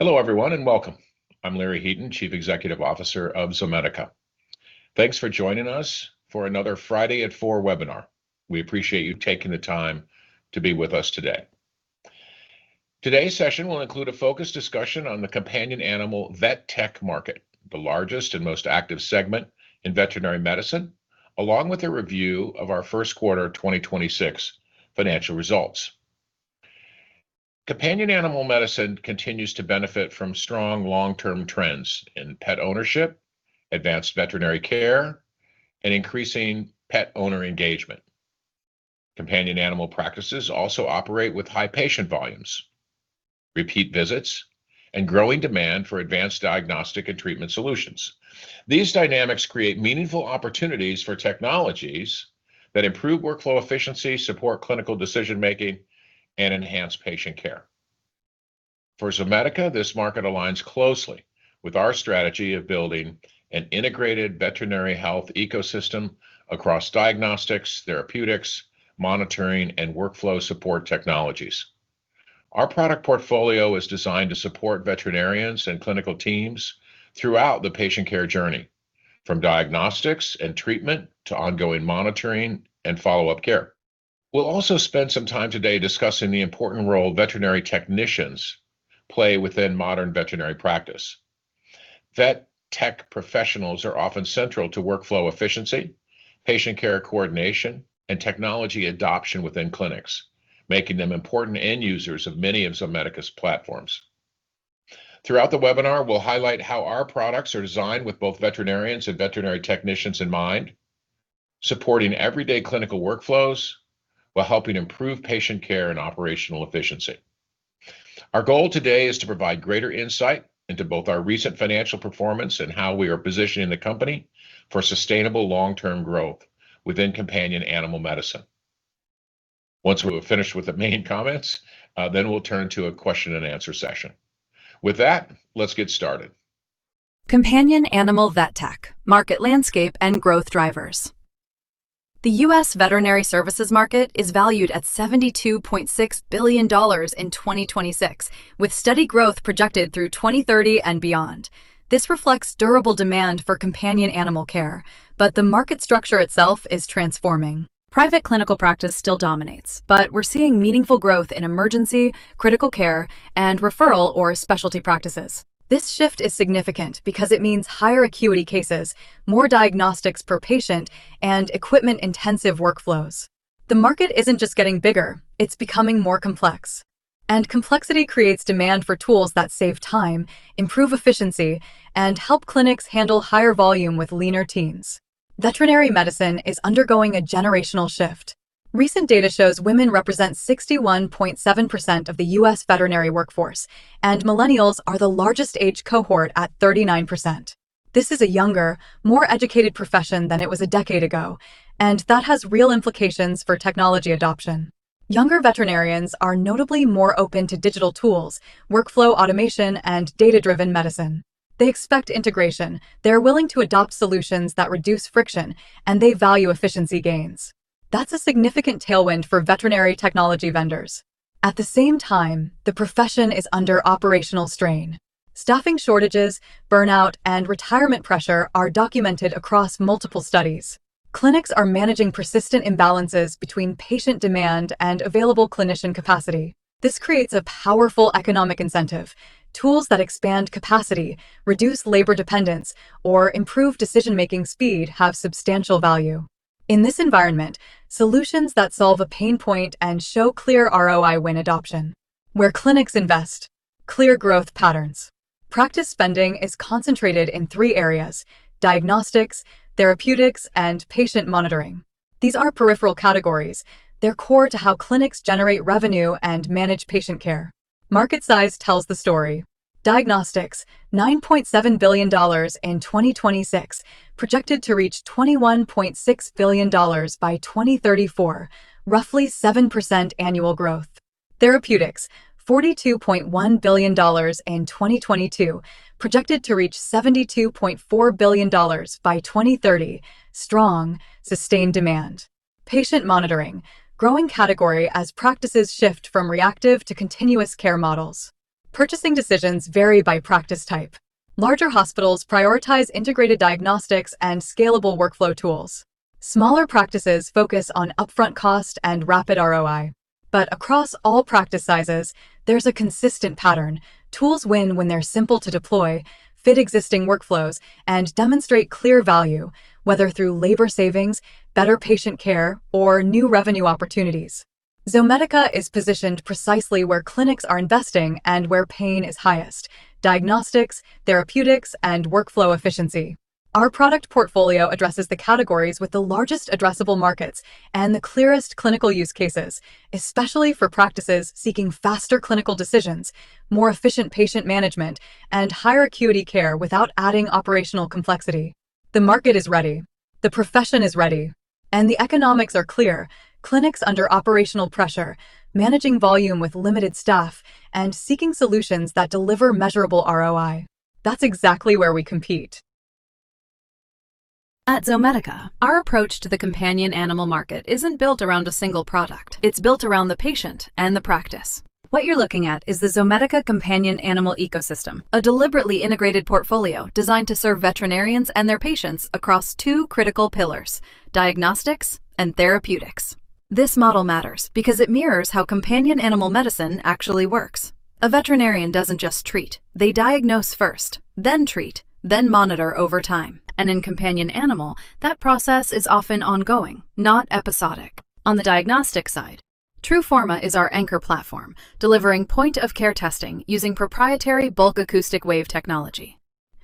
Hello everyone and welcome. I'm Larry Heaton, Chief Executive Officer of Zomedica. Thanks for joining us for another Friday at Four webinar. We appreciate you taking the time to be with us today. Today's session will include a focused discussion on the companion animal vet tech market, the largest and most active segment in veterinary medicine, along with a review of our first quarter 2026 financial results. Companion animal medicine continues to benefit from strong long-term trends in pet ownership, advanced veterinary care, and increasing pet owner engagement. Companion animal practices also operate with high patient volumes, repeat visits, and growing demand for advanced diagnostic and treatment solutions. These dynamics create meaningful opportunities for technologies that improve workflow efficiency, support clinical decision-making, and enhance patient care. For Zomedica, this market aligns closely with our strategy of building an integrated veterinary health ecosystem across diagnostics, therapeutics, monitoring, and workflow support technologies. Our product portfolio is designed to support veterinarians and clinical teams throughout the patient care journey, from diagnostics and treatment to ongoing monitoring and follow-up care. We'll also spend some time today discussing the important role veterinary technicians play within modern veterinary practice. Vet tech professionals are often central to workflow efficiency, patient care coordination, and technology adoption within clinics, making them important end users of many of Zomedica's platforms. Throughout the webinar, we'll highlight how our products are designed with both veterinarians and veterinary technicians in mind, supporting everyday clinical workflows while helping improve patient care and operational efficiency. Our goal today is to provide greater insight into both our recent financial performance and how we are positioning the company for sustainable long-term growth within companion animal medicine. Once we have finished with the main comments, then we'll turn to a question-and-answer session. With that, let's get started. Companion animal vet tech: market landscape and growth drivers. The U.S. veterinary services market is valued at $72.6 billion in 2026, with steady growth projected through 2030 and beyond. This reflects durable demand for companion animal care, but the market structure itself is transforming. Private clinical practice still dominates, but we're seeing meaningful growth in emergency, critical care, and referral or specialty practices. This shift is significant because it means higher acuity cases, more diagnostics per patient, and equipment-intensive workflows. The market isn't just getting bigger, it's becoming more complex, and complexity creates demand for tools that save time, improve efficiency, and help clinics handle higher volume with leaner teams. Veterinary medicine is undergoing a generational shift. Recent data shows women represent 61.7% of the U.S. veterinary workforce, and millennials are the largest age cohort at 39%. This is a younger, more educated profession than it was a decade ago, and that has real implications for technology adoption. Younger veterinarians are notably more open to digital tools, workflow automation, and data-driven medicine. They expect integration, they're willing to adopt solutions that reduce friction, and they value efficiency gains. That's a significant tailwind for veterinary technology vendors. At the same time, the profession is under operational strain. Staffing shortages, burnout, and retirement pressure are documented across multiple studies. Clinics are managing persistent imbalances between patient demand and available clinician capacity. This creates a powerful economic incentive. Tools that expand capacity, reduce labor dependence, or improve decision-making speed have substantial value. In this environment, solutions that solve a pain point and show clear ROI win adoption. Where clinics invest, clear growth patterns. Practice spending is concentrated in three areas: diagnostics, therapeutics, and patient monitoring. These aren't peripheral categories; they're core to how clinics generate revenue and manage patient care. Market size tells the story. Diagnostics, $9.7 billion in 2026, projected to reach $21.6 billion by 2034, roughly 7% annual growth. Therapeutics, $42.1 billion in 2022, projected to reach $72.4 billion by 2030. Strong, sustained demand. Patient monitoring, growing category as practices shift from reactive to continuous care models. Purchasing decisions vary by practice type. Larger hospitals prioritize integrated diagnostics and scalable workflow tools. Smaller practices focus on upfront cost and rapid ROI. But across all practice sizes, there's a consistent pattern: tools win when they're simple to deploy, fit existing workflows, and demonstrate clear value, whether through labor savings, better patient care, or new revenue opportunities. Zomedica is positioned precisely where clinics are investing and where pain is highest: diagnostics, therapeutics, and workflow efficiency. Our product portfolio addresses the categories with the largest addressable markets and the clearest clinical use cases, especially for practices seeking faster clinical decisions, more efficient patient management, and higher acuity care without adding operational complexity. The market is ready, the profession is ready, and the economics are clear. Clinics under operational pressure, managing volume with limited staff, and seeking solutions that deliver measurable ROI. That's exactly where we compete. At Zomedica, our approach to the companion animal market isn't built around a single product. It's built around the patient and the practice. What you're looking at is the Zomedica companion animal ecosystem, a deliberately integrated portfolio designed to serve veterinarians and their patients across two critical pillars: diagnostics and therapeutics. This model matters because it mirrors how companion animal medicine actually works. A veterinarian doesn't just treat, they diagnose first, then treat, then monitor over time, and in companion animal, that process is often ongoing, not episodic. On the diagnostic side, TRUFORMA is our anchor platform, delivering point-of-care testing using proprietary Bulk Acoustic Wave technology.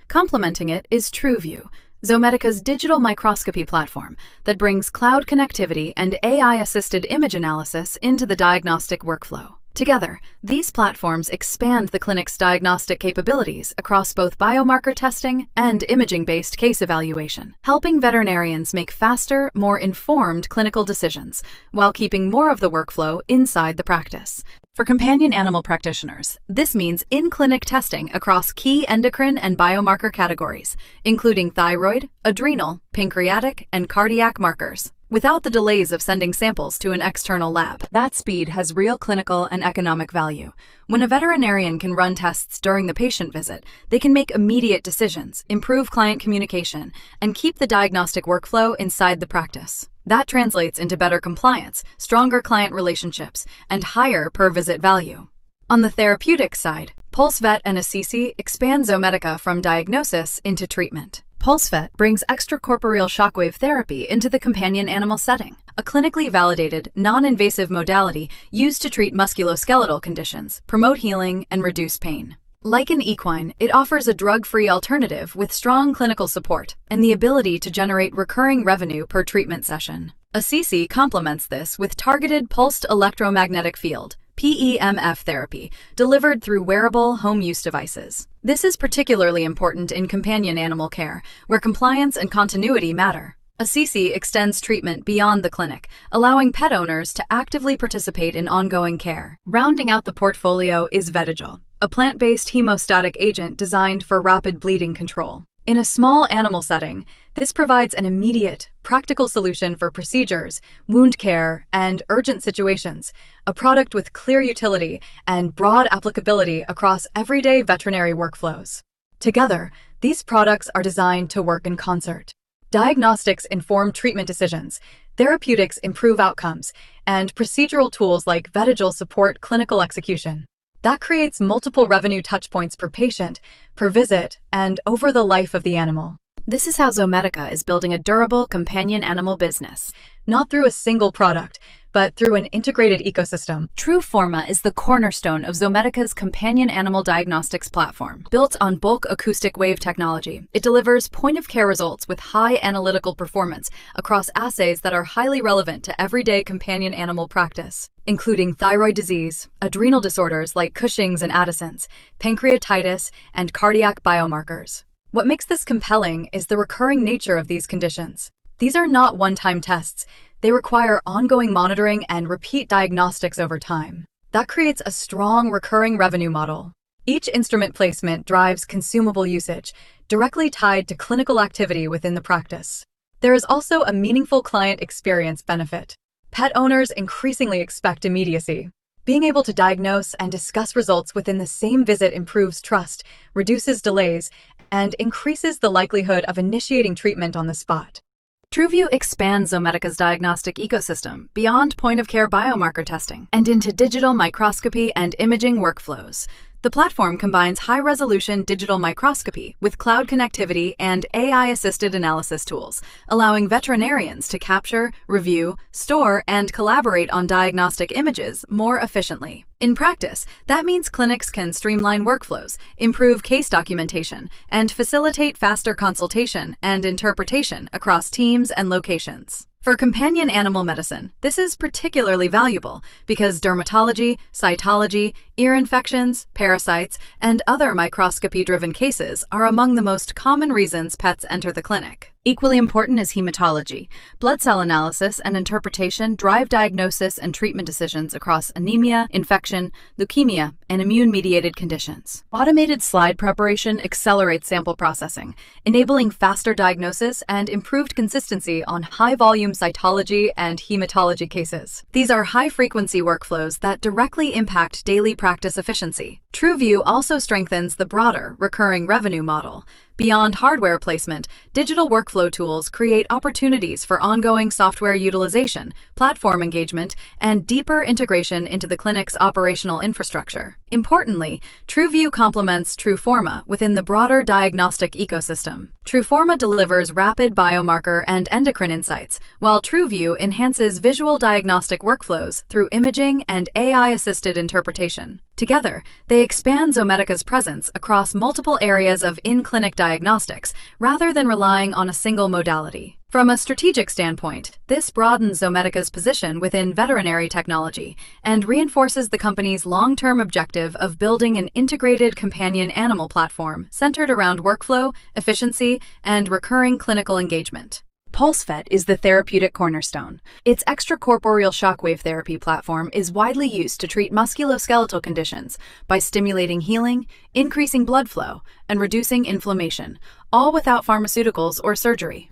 Complementing it is TRUVIEW, Zomedica's digital microscopy platform that brings cloud connectivity and AI-assisted image analysis into the diagnostic workflow. Together, these platforms expand the clinic's diagnostic capabilities across both biomarker testing and imaging-based case evaluation, helping veterinarians make faster, more informed clinical decisions while keeping more of the workflow inside the practice. For companion animal practitioners, this means in-clinic testing across key endocrine and biomarker categories, including thyroid, adrenal, pancreatic, and cardiac markers, without the delays of sending samples to an external lab. That speed has real clinical and economic value. When a veterinarian can run tests during the patient visit, they can make immediate decisions, improve client communication, and keep the diagnostic workflow inside the practice. That translates into better compliance, stronger client relationships, and higher per-visit value. On the therapeutic side, PulseVet and Assisi expand Zomedica from diagnosis into treatment. PulseVet brings extracorporeal shockwave therapy into the companion animal setting, a clinically validated, non-invasive modality used to treat musculoskeletal conditions, promote healing, and reduce pain. Like in equine, it offers a drug-free alternative with strong clinical support and the ability to generate recurring revenue per treatment session. Assisi complements this with targeted pulsed electromagnetic field, tPEMF therapy, delivered through wearable home-use devices. This is particularly important in companion animal care, where compliance and continuity matter. Assisi extends treatment beyond the clinic, allowing pet owners to actively participate in ongoing care. Rounding out the portfolio is VETIGEL, a plant-based hemostatic agent designed for rapid bleeding control. In a small animal setting, this provides an immediate, practical solution for procedures, wound care, and urgent situations, a product with clear utility and broad applicability across everyday veterinary workflows. Together, these products are designed to work in concert. Diagnostics inform treatment decisions, therapeutics improve outcomes, and procedural tools like VETIGEL support clinical execution. That creates multiple revenue touchpoints per patient, per visit, and over the life of the animal. This is how Zomedica is building a durable companion animal business, not through a single product, but through an integrated ecosystem. TRUFORMA is the cornerstone of Zomedica's companion animal diagnostics platform. Built on Bulk Acoustic Wave technology, it delivers point-of-care results with high analytical performance across assays that are highly relevant to everyday companion animal practice, including thyroid disease, adrenal disorders like Cushing's and Addison's, pancreatitis, and cardiac biomarkers. What makes this compelling is the recurring nature of these conditions. These are not one-time tests; they require ongoing monitoring and repeat diagnostics over time. That creates a strong recurring revenue model. Each instrument placement drives consumable usage directly tied to clinical activity within the practice. There is also a meaningful client experience benefit. Pet owners increasingly expect immediacy. Being able to diagnose and discuss results within the same visit improves trust, reduces delays, and increases the likelihood of initiating treatment on the spot. TRUVIEW expands Zomedica's diagnostic ecosystem beyond point-of-care biomarker testing and into digital microscopy and imaging workflows. The platform combines high-resolution digital microscopy with cloud connectivity and AI-assisted analysis tools, allowing veterinarians to capture, review, store, and collaborate on diagnostic images more efficiently. In practice, that means clinics can streamline workflows, improve case documentation, and facilitate faster consultation and interpretation across teams and locations. For companion animal medicine, this is particularly valuable because dermatology, cytology, ear infections, parasites, and other microscopy-driven cases are among the most common reasons pets enter the clinic. Equally important is hematology. Blood cell analysis and interpretation drive diagnosis and treatment decisions across anemia, infection, leukemia, and immune-mediated conditions. Automated slide preparation accelerates sample processing, enabling faster diagnosis and improved consistency on high-volume cytology and hematology cases. These are high-frequency workflows that directly impact daily practice efficiency. TRUVIEW also strengthens the broader recurring revenue model. Beyond hardware placement, digital workflow tools create opportunities for ongoing software utilization, platform engagement, and deeper integration into the clinic's operational infrastructure. Importantly, TRUVIEW complements TRUFORMA within the broader diagnostic ecosystem. TRUFORMA delivers rapid biomarker and endocrine insights, while TRUVIEW enhances visual diagnostic workflows through imaging and AI-assisted interpretation. Together, they expand Zomedica's presence across multiple areas of in-clinic diagnostics rather than relying on a single modality. From a strategic standpoint, this broadens Zomedica's position within veterinary technology and reinforces the company's long-term objective of building an integrated companion animal platform centered around workflow, efficiency, and recurring clinical engagement. PulseVet is the therapeutic cornerstone. Its extracorporeal shockwave therapy platform is widely used to treat musculoskeletal conditions by stimulating healing, increasing blood flow, and reducing inflammation, all without pharmaceuticals or surgery.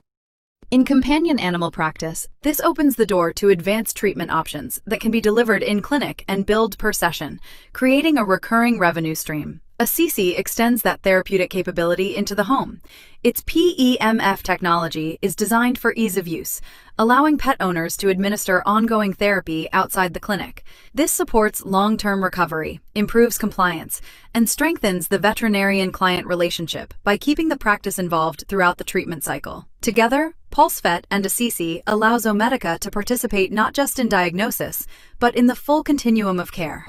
In companion animal practice, this opens the door to advanced treatment options that can be delivered in-clinic and billed per session, creating a recurring revenue stream. Assisi extends that therapeutic capability into the home. Its tPEMF technology is designed for ease of use, allowing pet owners to administer ongoing therapy outside the clinic. This supports long-term recovery, improves compliance, and strengthens the veterinarian-client relationship by keeping the practice involved throughout the treatment cycle. Together, PulseVet and Assisi allow Zomedica to participate not just in diagnosis but in the full continuum of care.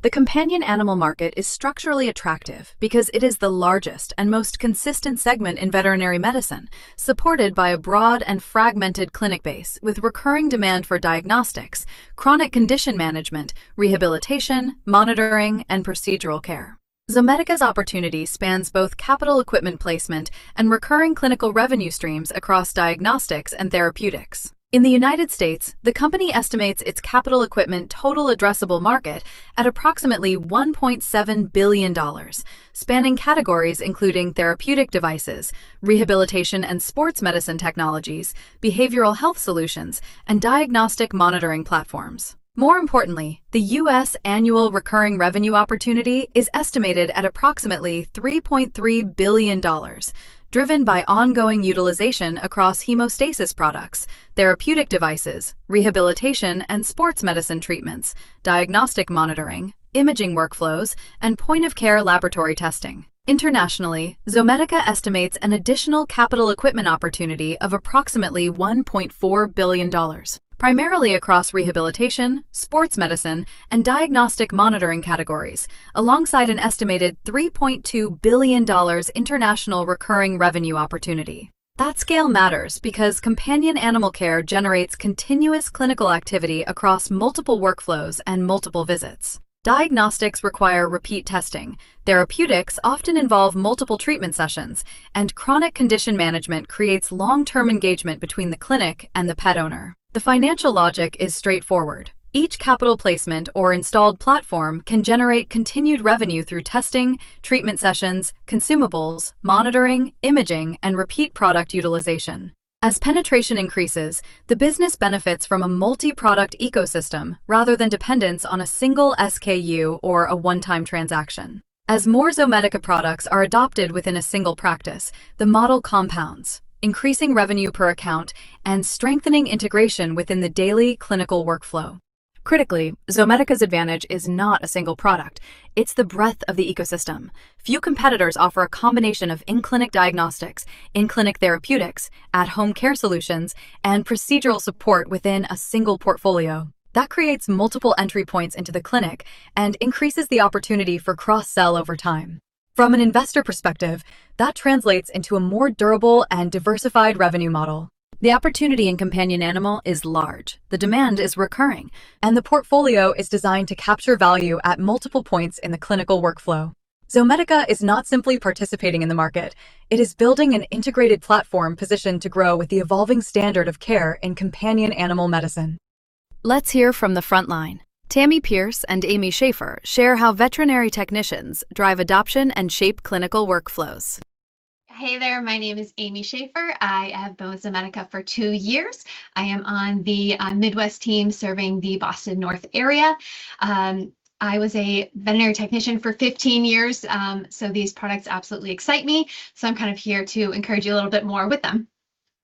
The companion animal market is structurally attractive because it is the largest and most consistent segment in veterinary medicine, supported by a broad and fragmented clinic base with recurring demand for diagnostics, chronic condition management, rehabilitation, monitoring, and procedural care. Zomedica's opportunity spans both capital equipment placement and recurring clinical revenue streams across diagnostics and therapeutics. In the United States, the company estimates its capital equipment total addressable market at approximately $1.7 billion, spanning categories including therapeutic devices, rehabilitation and sports medicine technologies, behavioral health solutions, and diagnostic monitoring platforms. More importantly, the U.S. annual recurring revenue opportunity is estimated at approximately $3.3 billion, driven by ongoing utilization across hemostasis products, therapeutic devices, rehabilitation and sports medicine treatments, diagnostic monitoring, imaging workflows, and point-of-care laboratory testing. Internationally, Zomedica estimates an additional capital equipment opportunity of approximately $1.4 billion, primarily across rehabilitation, sports medicine, and diagnostic monitoring categories, alongside an estimated $3.2 billion international recurring revenue opportunity. That scale matters because companion animal care generates continuous clinical activity across multiple workflows and multiple visits. Diagnostics require repeat testing, therapeutics often involve multiple treatment sessions, and chronic condition management creates long-term engagement between the clinic and the pet owner. The financial logic is straightforward. Each capital placement or installed platform can generate continued revenue through testing, treatment sessions, consumables, monitoring, imaging, and repeat product utilization. As penetration increases, the business benefits from a multi-product ecosystem rather than dependence on a single SKU or a one-time transaction. As more Zomedica products are adopted within a single practice, the model compounds, increasing revenue per account and strengthening integration within the daily clinical workflow. Critically, Zomedica's advantage is not a single product. It's the breadth of the ecosystem. Few competitors offer a combination of in-clinic diagnostics, in-clinic therapeutics, at-home care solutions, and procedural support within a single portfolio. That creates multiple entry points into the clinic and increases the opportunity for cross-sell over time. From an investor perspective, that translates into a more durable and diversified revenue model. The opportunity in companion animal is large, the demand is recurring, and the portfolio is designed to capture value at multiple points in the clinical workflow. Zomedica is not simply participating in the market. It is building an integrated platform positioned to grow with the evolving standard of care in companion animal medicine. Let's hear from the frontline. Tammy Pierce and Amy Schaeffer share how veterinary technicians drive adoption and shape clinical workflows. Hey there. My name is Amy Schaeffer. I have been with Zomedica for two years. I am on the Midwest team serving the Boston North area. I was a veterinary technician for 15 years, so these products absolutely excite me. I'm kind of here to encourage you a little bit more with them.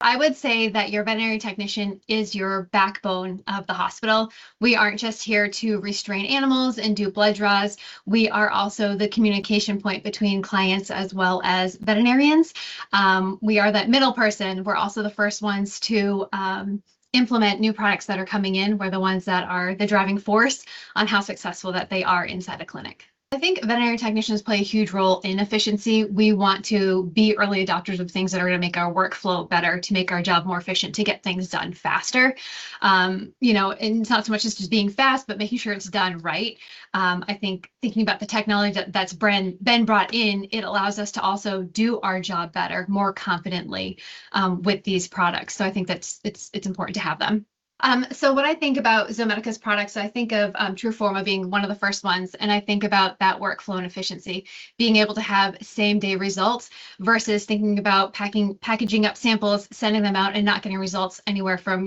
I would say that your veterinary technician is your backbone of the hospital. We aren't just here to restrain animals and do blood draws. We are also the communication point between clients as well as veterinarians. We are that middle person. We're also the first ones to implement new products that are coming in. We're the ones that are the driving force on how successful that they are inside a clinic. I think veterinary technicians play a huge role in efficiency. We want to be early adopters of things that are going to make our workflow better, to make our job more efficient, to get things done faster. It's not so much as just being fast, but making sure it's done right. I think thinking about the technology that's been brought in, it allows us to also do our job better, more confidently, with these products, so I think it's important to have them. When I think about Zomedica's products, I think of TRUFORMA being one of the first ones, and I think about that workflow and efficiency, being able to have same-day results versus thinking about packaging up samples, sending them out, and not getting results anywhere from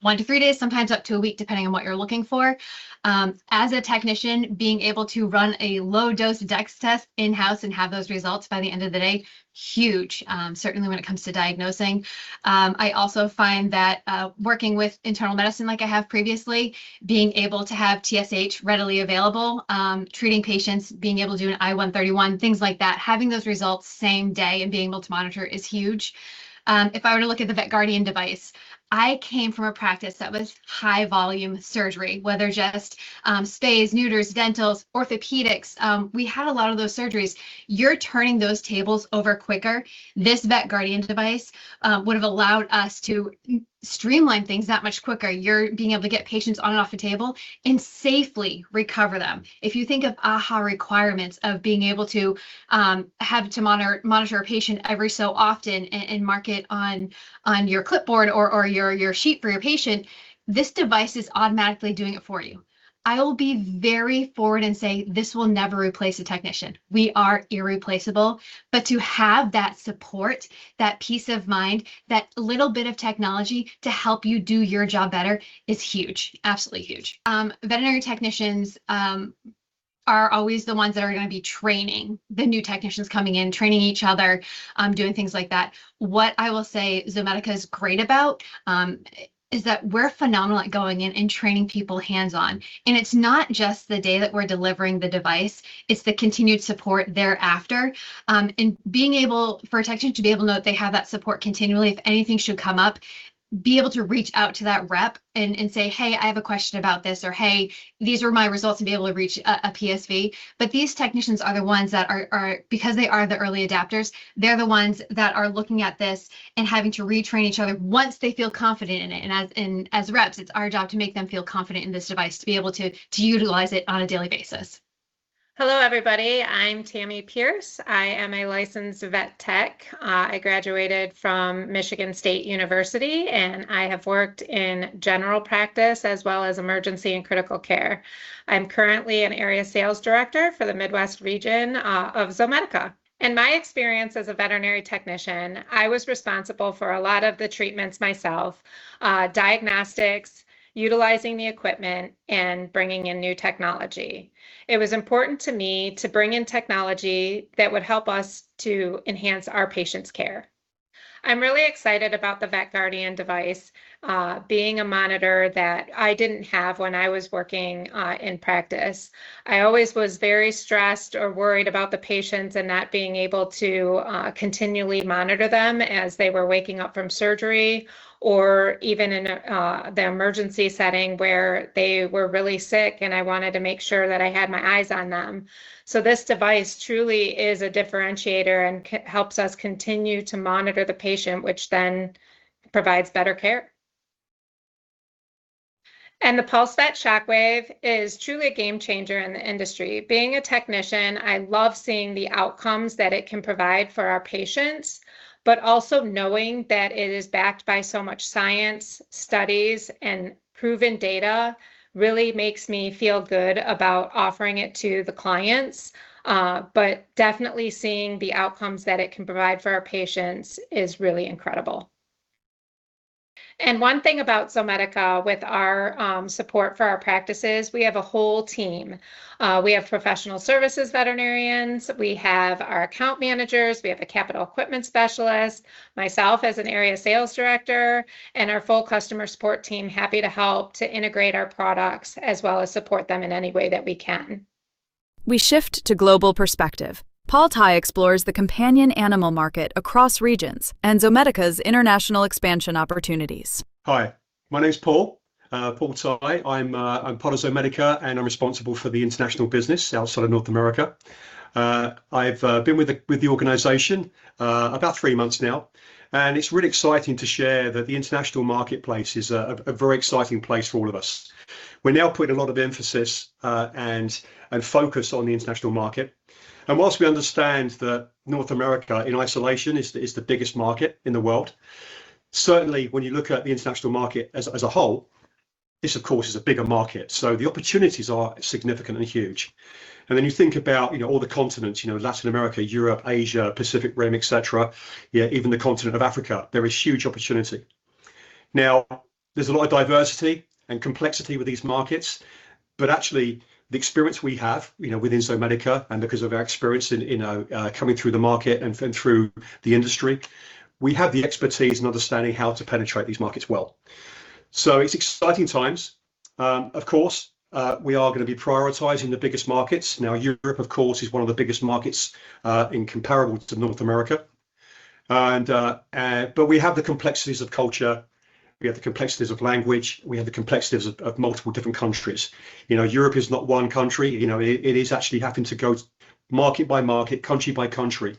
one to three days, sometimes up to a week, depending on what you're looking for. As a technician, being able to run a low dose dex test in-house and have those results by the end of the day, huge, certainly when it comes to diagnosing. I also find that working with internal medicine like I have previously, being able to have TSH readily available, treating patients, being able to do an I-131, things like that, having those results same day and being able to monitor is huge. If I were to look at the VETGuardian device, I came from a practice that was high-volume surgery, whether just spays, neuters, dentals, orthopedics. We had a lot of those surgeries. You're turning those tables over quicker. This VETGuardian device would have allowed us to streamline things that much quicker. You're being able to get patients on and off the table and safely recover them. If you think of AAHA requirements of being able to have to monitor a patient every so often and mark it on your clipboard or your sheet for your patient, this device is automatically doing it for you. I will be very forward and say this will never replace a technician. We are irreplaceable, but to have that support, that peace of mind, that little bit of technology to help you do your job better is huge, absolutely huge. Veterinary technician are always the ones that are going to be training the new technicians coming in, training each other, doing things like that. What I will say Zomedica is great about is that we're phenomenal at going in and training people hands-on. It's not just the day that we're delivering the device, it's the continued support thereafter. Being able, for a technician to be able to know that they have that support continually, if anything should come up, be able to reach out to that rep and say, "Hey, I have a question about this," or, "Hey, these are my results," and be able to reach a PSV. These technicians are the ones that are, because they are the early adapters, they're the ones that are looking at this and having to retrain each other once they feel confident in it. As reps, it's our job to make them feel confident in this device to be able to utilize it on a daily basis. Hello, everybody. I'm Tammy Pierce. I am a licensed vet tech. I graduated from Michigan State University, and I have worked in general practice as well as emergency and critical care. I'm currently an Area Sales Director for the Midwest region of Zomedica. In my experience as a veterinary technician, I was responsible for a lot of the treatments myself, diagnostics, utilizing the equipment, and bringing in new technology. It was important to me to bring in technology that would help us to enhance our patients' care. I'm really excited about the VETGuardian device being a monitor that I didn't have when I was working in practice. I always was very stressed or worried about the patients and not being able to continually monitor them as they were waking up from surgery, or even in the emergency setting where they were really sick, and I wanted to make sure that I had my eyes on them. This device truly is a differentiator and helps us continue to monitor the patient, which then provides better care. The PulseVet shockwave is truly a game changer in the industry. Being a technician, I love seeing the outcomes that it can provide for our patients but also knowing that it is backed by so much science, studies, and proven data really makes me feel good about offering it to the clients. Definitely, seeing the outcomes that it can provide for our patients is really incredible. One thing about Zomedica with our support for our practices, we have a whole team. We have professional services veterinarians. We have our account managers. We have the capital equipment specialists, myself as an area sales director, and our full customer support team, happy to help to integrate our products as well as support them in any way that we can. We shift to global perspective. Paul Tye explores the companion animal market across regions and Zomedica's international expansion opportunities. Hi, my name's Paul. Paul Tye. I'm part of Zomedica, and I'm responsible for the international business outside of North America. I've been with the organization about three months now, and it's really exciting to share that the international marketplace is a very exciting place for all of us. We're now putting a lot of emphasis and focus on the international market. Whilst we understand that North America in isolation is the biggest market in the world, certainly, when you look at the international market as a whole, this of course is a bigger market, so the opportunities are significantly huge. You think about all the continents, Latin America, Europe, Asia, Pacific Rim, et cetera, yeah, even the continent of Africa, there is huge opportunity. Now, there's a lot of diversity and complexity with these markets, but actually, the experience we have within Zomedica and because of our experience in coming through the market and through the industry, we have the expertise and understanding how to penetrate these markets well. It's exciting times. Of course, we are going to be prioritizing the biggest markets. Now, Europe, of course, is one of the biggest markets in comparable to North America. We have the complexities of culture, we have the complexities of language, we have the complexities of multiple different countries. Europe is not one country. It is actually having to go market by market, country by country,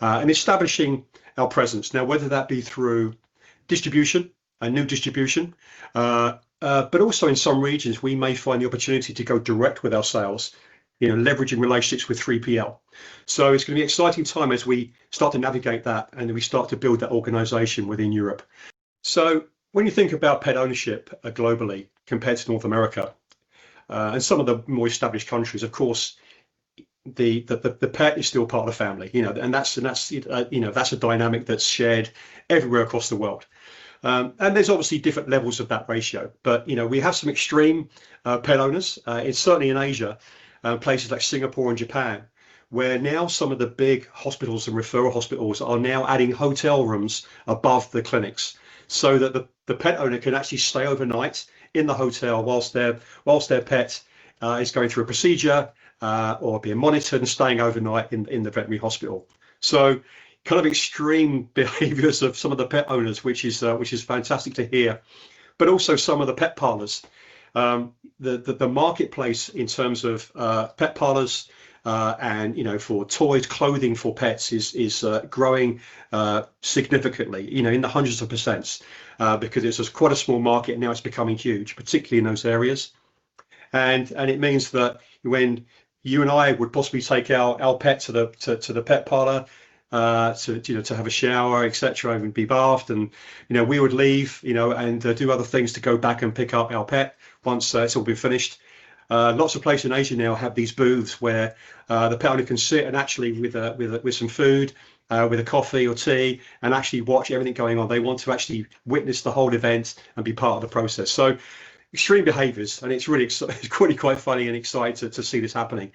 and establishing our presence, whether that be through distribution and new distribution, but also in some regions, we may find the opportunity to go direct with our sales, leveraging relationships with 3PL. It's going to be an exciting time as we start to navigate that and then we start to build that organization within Europe. When you think about pet ownership globally compared to North America and some of the more established countries, of course, the pet is still part of the family. That's a dynamic that's shared everywhere across the world. There's obviously different levels of that ratio. We have some extreme pet owners. It's certainly in Asia, places like Singapore and Japan, where now some of the big hospitals and referral hospitals are now adding hotel rooms above the clinics so that the pet owner can actually stay overnight in the hotel whilst their pet is going through a procedure or being monitored and staying overnight in the veterinary hospital. Kind of extreme behaviors of some of the pet owners, which is fantastic to hear. Also, some of the pet parlors. The marketplace in terms of pet parlors and for toys, clothing for pets is growing significantly in the hundreds of percents because it was quite a small market, now it's becoming huge, particularly in those areas. It means that when you and I would possibly take our pet to the pet parlor to have a shower, et cetera, and be bathed, and we would leave and do other things to go back and pick up our pet once it's all been finished, lots of places in Asia now have these booths where the pet owner can sit and actually with some food, with a coffee or tea, and actually watch everything going on. They want to actually witness the whole event and be part of the process. Extreme behaviors, and it's really quite funny and exciting to see this happening.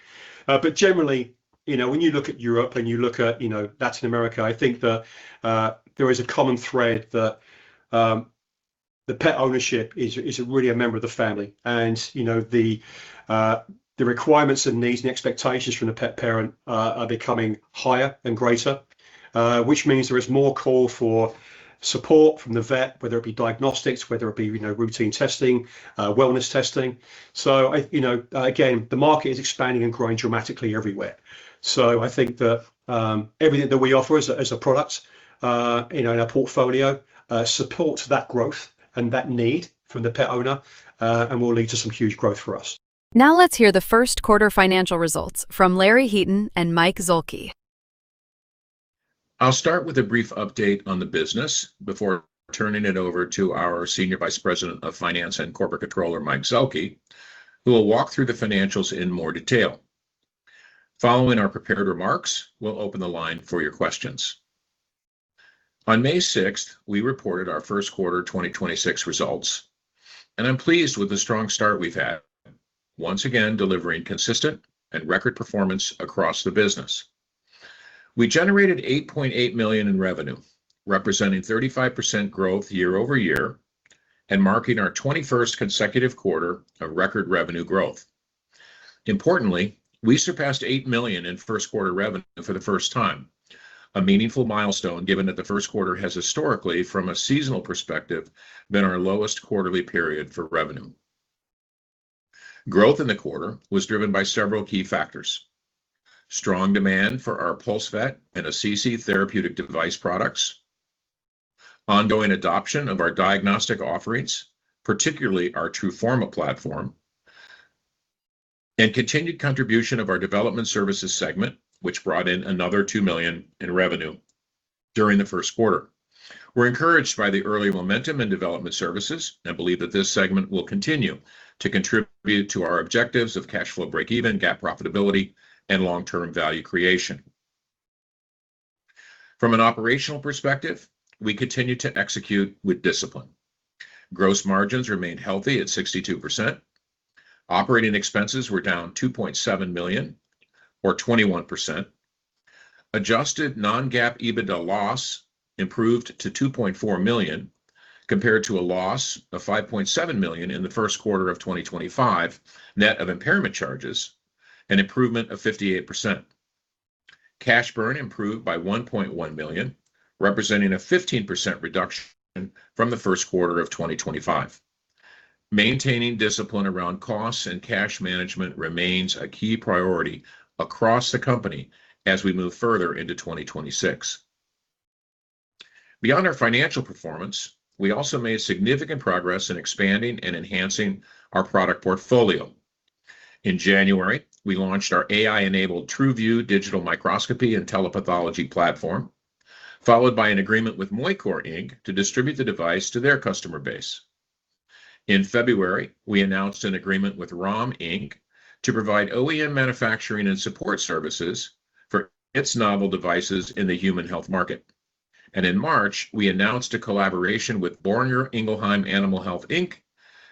Generally, when you look at Europe and you look at Latin America, I think that there is a common thread that the pet ownership is really a member of the family. The requirements and needs and expectations from the pet parent are becoming higher and greater, which means there is more call for support from the vet, whether it be diagnostics, whether it be routine testing, wellness testing. Again, the market is expanding and growing dramatically everywhere. I think that everything that we offer as a product in our portfolio supports that growth and that need from the pet owner and will lead to some huge growth for us. Now, let's hear the first quarter financial results from Larry Heaton and Mike Zuehlke. I'll start with a brief update on the business before turning it over to our Senior Vice President of Finance and Corporate Controller, Mike Zuehlke, who will walk through the financials in more detail. Following our prepared remarks, we'll open the line for your questions. On May 6th, we reported our first quarter 2026 results, and I'm pleased with the strong start we've had, once again, delivering consistent and record performance across the business. We generated $8.8 million in revenue, representing 35% growth year-over-year, and marking our 21st consecutive quarter of record revenue growth. Importantly, we surpassed $8 million in first quarter revenue for the first time, a meaningful milestone given that the first quarter has historically, from a seasonal perspective, been our lowest quarterly period for revenue. Growth in the quarter was driven by several key factors. Strong demand for our PulseVet and Assisi therapeutic device products, ongoing adoption of our diagnostic offerings, particularly our TRUFORMA platform, and continued contribution of our development services segment, which brought in another $2 million in revenue during the first quarter. We're encouraged by the early momentum in development services and believe that this segment will continue to contribute to our objectives of cash flow breakeven, GAAP profitability, and long-term value creation. From an operational perspective, we continue to execute with discipline. Gross margins remained healthy at 62%. Operating expenses were down $2.7 million or 21%. Adjusted non-GAAP EBITDA loss improved to $2.4 million compared to a loss of $5.7 million in the first quarter of 2025, net of impairment charges, an improvement of 58%. Cash burn improved by $1.1 million, representing a 15% reduction from the first quarter of 2025. Maintaining discipline around costs and cash management remains a key priority across the company as we move further into 2026. Beyond our financial performance, we also made significant progress in expanding and enhancing our product portfolio. In January, we launched our AI-enabled TRUVIEW digital microscopy and telepathology platform, followed by an agreement with Moichor Inc to distribute the device to their customer base. In February, we announced an agreement with Rahm, Inc to provide OEM manufacturing and support services for its novel devices in the human health market. In March, we announced a collaboration with Boehringer Ingelheim Animal Health Inc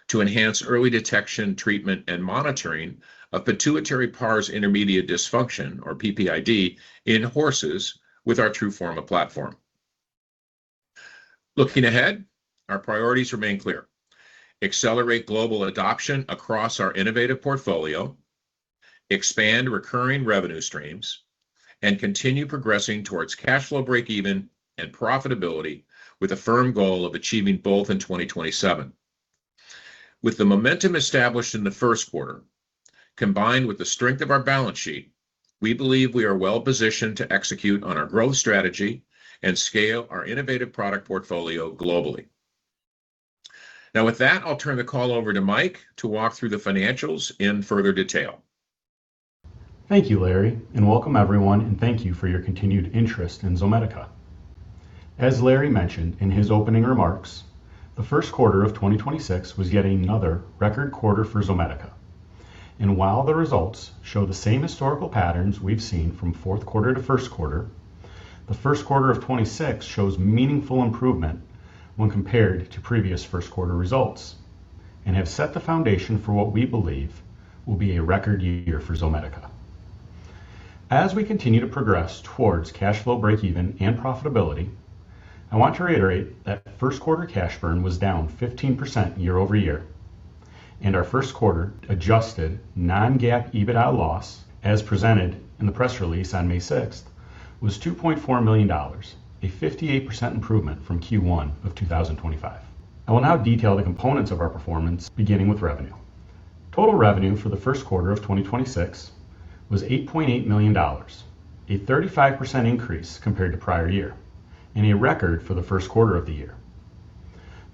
to enhance early detection, treatment, and monitoring of pituitary pars intermedia dysfunction, or PPID, in horses with our TRUFORMA platform. Looking ahead, our priorities remain clear: accelerate global adoption across our innovative portfolio, expand recurring revenue streams, and continue progressing towards cash flow breakeven and profitability with a firm goal of achieving both in 2027. With the momentum established in the first quarter, combined with the strength of our balance sheet, we believe we are well-positioned to execute on our growth strategy and scale our innovative product portfolio globally. Now, with that, I'll turn the call over to Mike to walk through the financials in further detail. Thank you, Larry, and welcome everyone, and thank you for your continued interest in Zomedica. As Larry mentioned in his opening remarks, the first quarter of 2026 was yet another record quarter for Zomedica. While the results show the same historical patterns we've seen from fourth quarter to first quarter, the first quarter of 2026 shows meaningful improvement when compared to previous first quarter results and have set the foundation for what we believe will be a record year for Zomedica. As we continue to progress towards cash flow breakeven and profitability, I want to reiterate that first quarter cash burn was down 15% year-over-year, and our first quarter adjusted non-GAAP EBITDA loss, as presented in the press release on May 6th, was $2.4 million, a 58% improvement from Q1 of 2025. I will now detail the components of our performance, beginning with revenue. Total revenue for the first quarter of 2026 was $8.8 million, a 35% increase compared to prior year and a record for the first quarter of the year.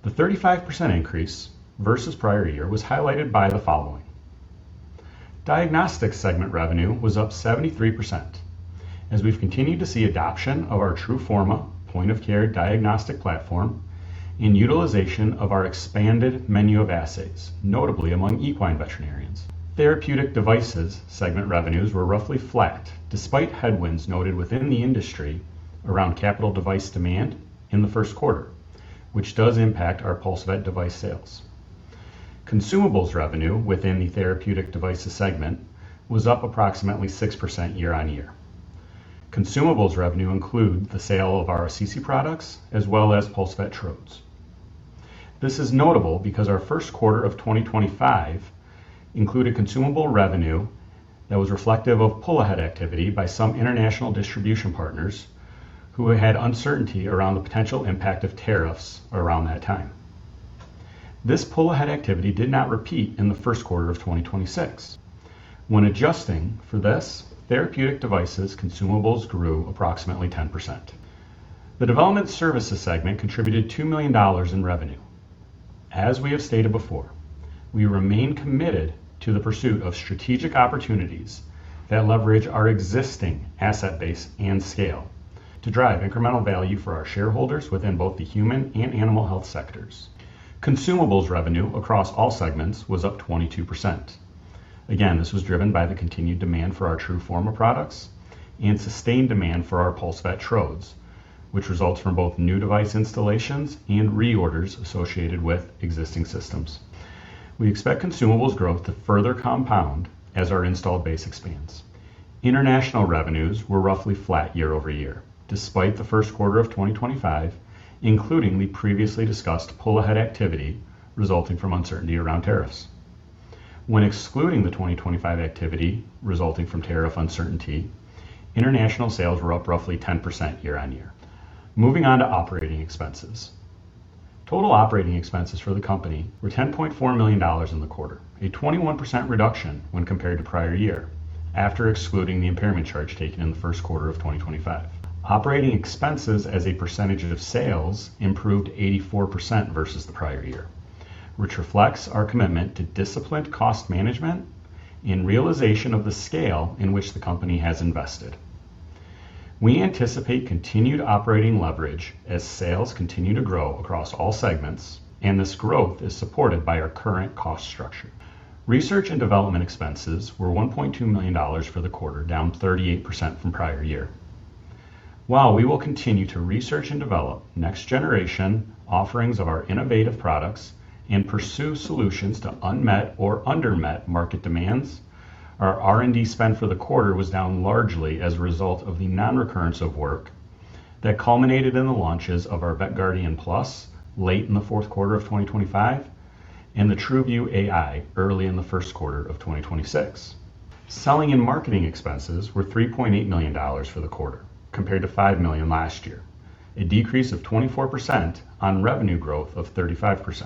The 35% increase versus prior year was highlighted by the following. Diagnostics segment revenue was up 73% as we've continued to see adoption of our TRUFORMA point-of-care diagnostic platform and utilization of our expanded menu of assays, notably among equine veterinarians. Therapeutic devices segment revenues were roughly flat despite headwinds noted within the industry around capital device demand in the first quarter, which does impact our PulseVet device sales. Consumables revenue within the therapeutic devices segment was up approximately 6% year-on-year. Consumables revenue include the sale of our Assisi products as well as PulseVet trodes. This is notable because our first quarter of 2025 included consumable revenue that was reflective of pull-ahead activity by some international distribution partners who had uncertainty around the potential impact of tariffs around that time. This pull-ahead activity did not repeat in the first quarter of 2026. When adjusting for this, therapeutic devices consumables grew approximately 10%. The development services segment contributed $2 million in revenue. As we have stated before, we remain committed to the pursuit of strategic opportunities that leverage our existing asset base and scale to drive incremental value for our shareholders within both the human and animal health sectors. Consumables revenue across all segments was up 22%. Again, this was driven by the continued demand for our TRUFORMA products and sustained demand for our PulseVet trodes, which results from both new device installations and reorders associated with existing systems. We expect consumables growth to further compound as our installed base expands. International revenues were roughly flat year-over-year, despite the first quarter of 2025, including the previously discussed pull-ahead activity resulting from uncertainty around tariffs. When excluding the 2025 activity resulting from tariff uncertainty, international sales were up roughly 10% year-on-year. Moving on to operating expenses. Total operating expenses for the company were $10.4 million in the quarter, a 21% reduction when compared to prior year after excluding the impairment charge taken in the first quarter of 2025. Operating expenses as a percentage of sales improved 84% versus the prior year, which reflects our commitment to disciplined cost management and realization of the scale in which the company has invested. We anticipate continued operating leverage as sales continue to grow across all segments, and this growth is supported by our current cost structure. Research and development expenses were $1.2 million for the quarter, down 38% from prior year. While we will continue to research and develop next-generation offerings of our innovative products and pursue solutions to unmet or under-met market demands, our R&D spend for the quarter was down largely as a result of the non-recurrence of work that culminated in the launches of our VETGuardian PLUS late in the fourth quarter of 2025 and the TRUVIEW AI early in the first quarter of 2026. Selling and marketing expenses were $3.8 million for the quarter, compared to $5 million last year, a decrease of 24% on revenue growth of 35%.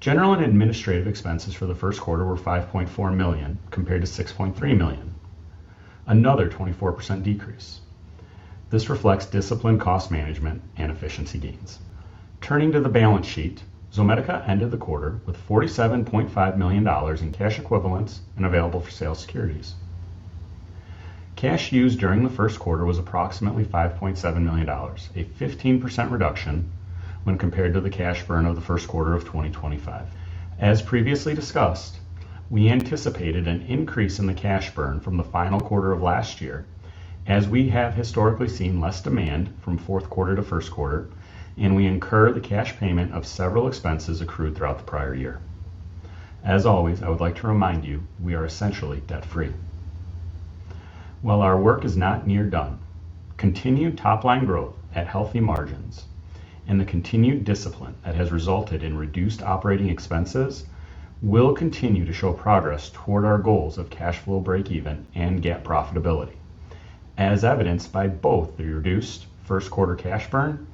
General and administrative expenses for the first quarter were $5.4 million, compared to $6.3 million, another 24% decrease. This reflects disciplined cost management and efficiency gains. Turning to the balance sheet, Zomedica ended the quarter with $47.5 million in cash equivalents and available for sale securities. Cash used during the first quarter was approximately $5.7 million, a 15% reduction when compared to the cash burn of the first quarter of 2025. As previously discussed, we anticipated an increase in the cash burn from the final quarter of last year as we have historically seen less demand from fourth quarter to first quarter, and we incur the cash payment of several expenses accrued throughout the prior year. As always, I would like to remind you, we are essentially debt-free. While our work is not near done, continued top-line growth at healthy margins and the continued discipline that has resulted in reduced operating expenses will continue to show progress toward our goals of cash flow breakeven and GAAP profitability, as evidenced by both the reduced first quarter cash burn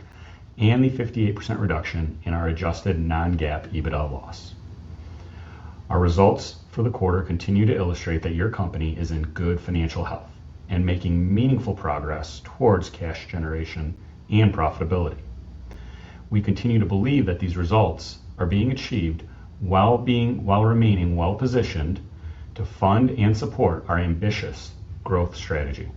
and the 58% reduction in our adjusted non-GAAP EBITDA loss. Our results for the quarter continue to illustrate that your company is in good financial health and making meaningful progress towards cash generation and profitability. We continue to believe that these results are being achieved while remaining well-positioned to fund and support our ambitious growth strategy.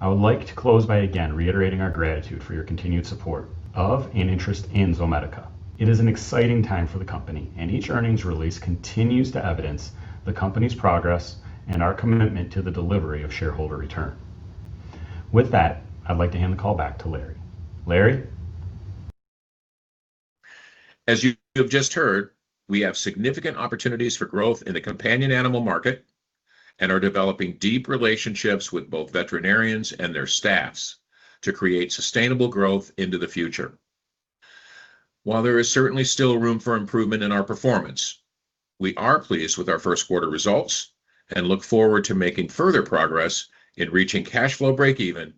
I would like to close by again reiterating our gratitude for your continued support of and interest in Zomedica. It is an exciting time for the company, and each earnings release continues to evidence the company's progress and our commitment to the delivery of shareholder return. With that, I'd like to hand the call back to Larry. Larry? As you have just heard, we have significant opportunities for growth in the companion animal market and are developing deep relationships with both veterinarians and their staffs to create sustainable growth into the future. While there is certainly still room for improvement in our performance, we are pleased with our first quarter results and look forward to making further progress in reaching cash flow breakeven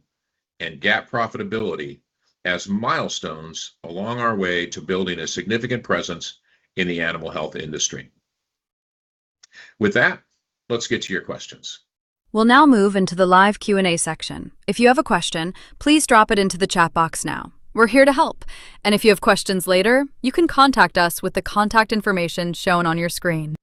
and GAAP profitability as milestones along our way to building a significant presence in the animal health industry. With that, let's get to your questions. We'll now move into the live Q&A section. If you have a question, please drop it into the chat box now. We're here to help. If you have questions later, you can contact us with the contact information shown on your screen.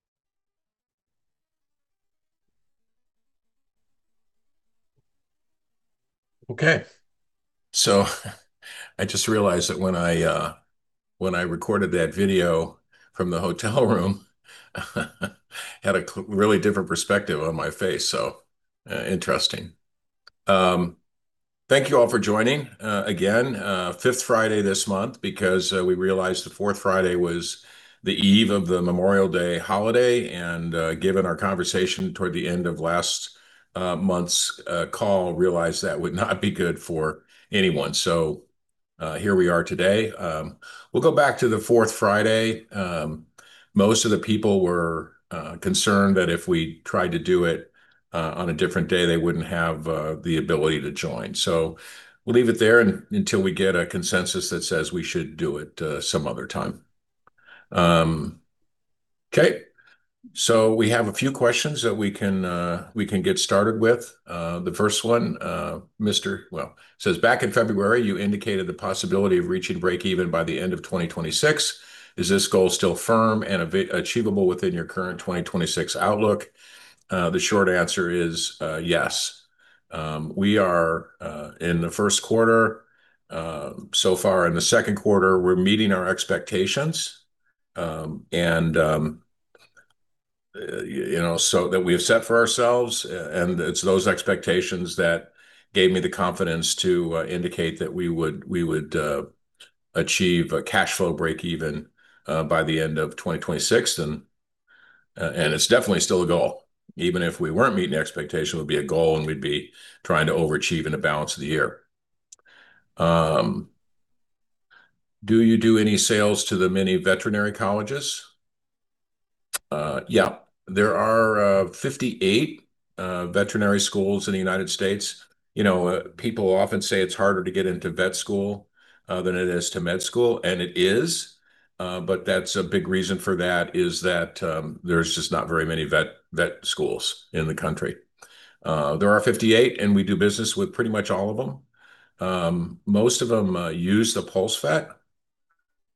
Okay. I just realized that when I recorded that video from the hotel room, had a really different perspective on my face. Interesting. Thank you all for joining. Again, fifth Friday this month because we realized the fourth Friday was the eve of the Memorial Day holiday and given our conversation toward the end of last month's call, realized that would not be good for anyone, so here we are today. We'll go back to the fourth Friday. Most of the people were concerned that if we tried to do it on a different day, they wouldn't have the ability to join. We'll leave it there until we get a consensus that says we should do it some other time. Okay. We have a few questions that we can get started with. The first one, Mr. [Well] says, "Back in February, you indicated the possibility of reaching breakeven by the end of 2026. Is this goal still firm and achievable within your current 2026 outlook?" The short answer is yes. We are in the first quarter. So far in the second quarter, we're meeting our expectations that we have set for ourselves, and it's those expectations that gave me the confidence to indicate that we would achieve a cash flow breakeven by the end of 2026. It's definitely still a goal. Even if we weren't meeting expectation, it would be a goal, and we'd be trying to overachieve in the balance of the year. "Do you do any sales to the many veterinary colleges?" Yeah. There are 58 veterinary schools in the United States. People often say it's harder to get into vet school than it is to med school, and it is. That's a big reason for that is that there's just not very many vet schools in the country. There are 58, and we do business with pretty much all of them. Most of them use the PulseVet.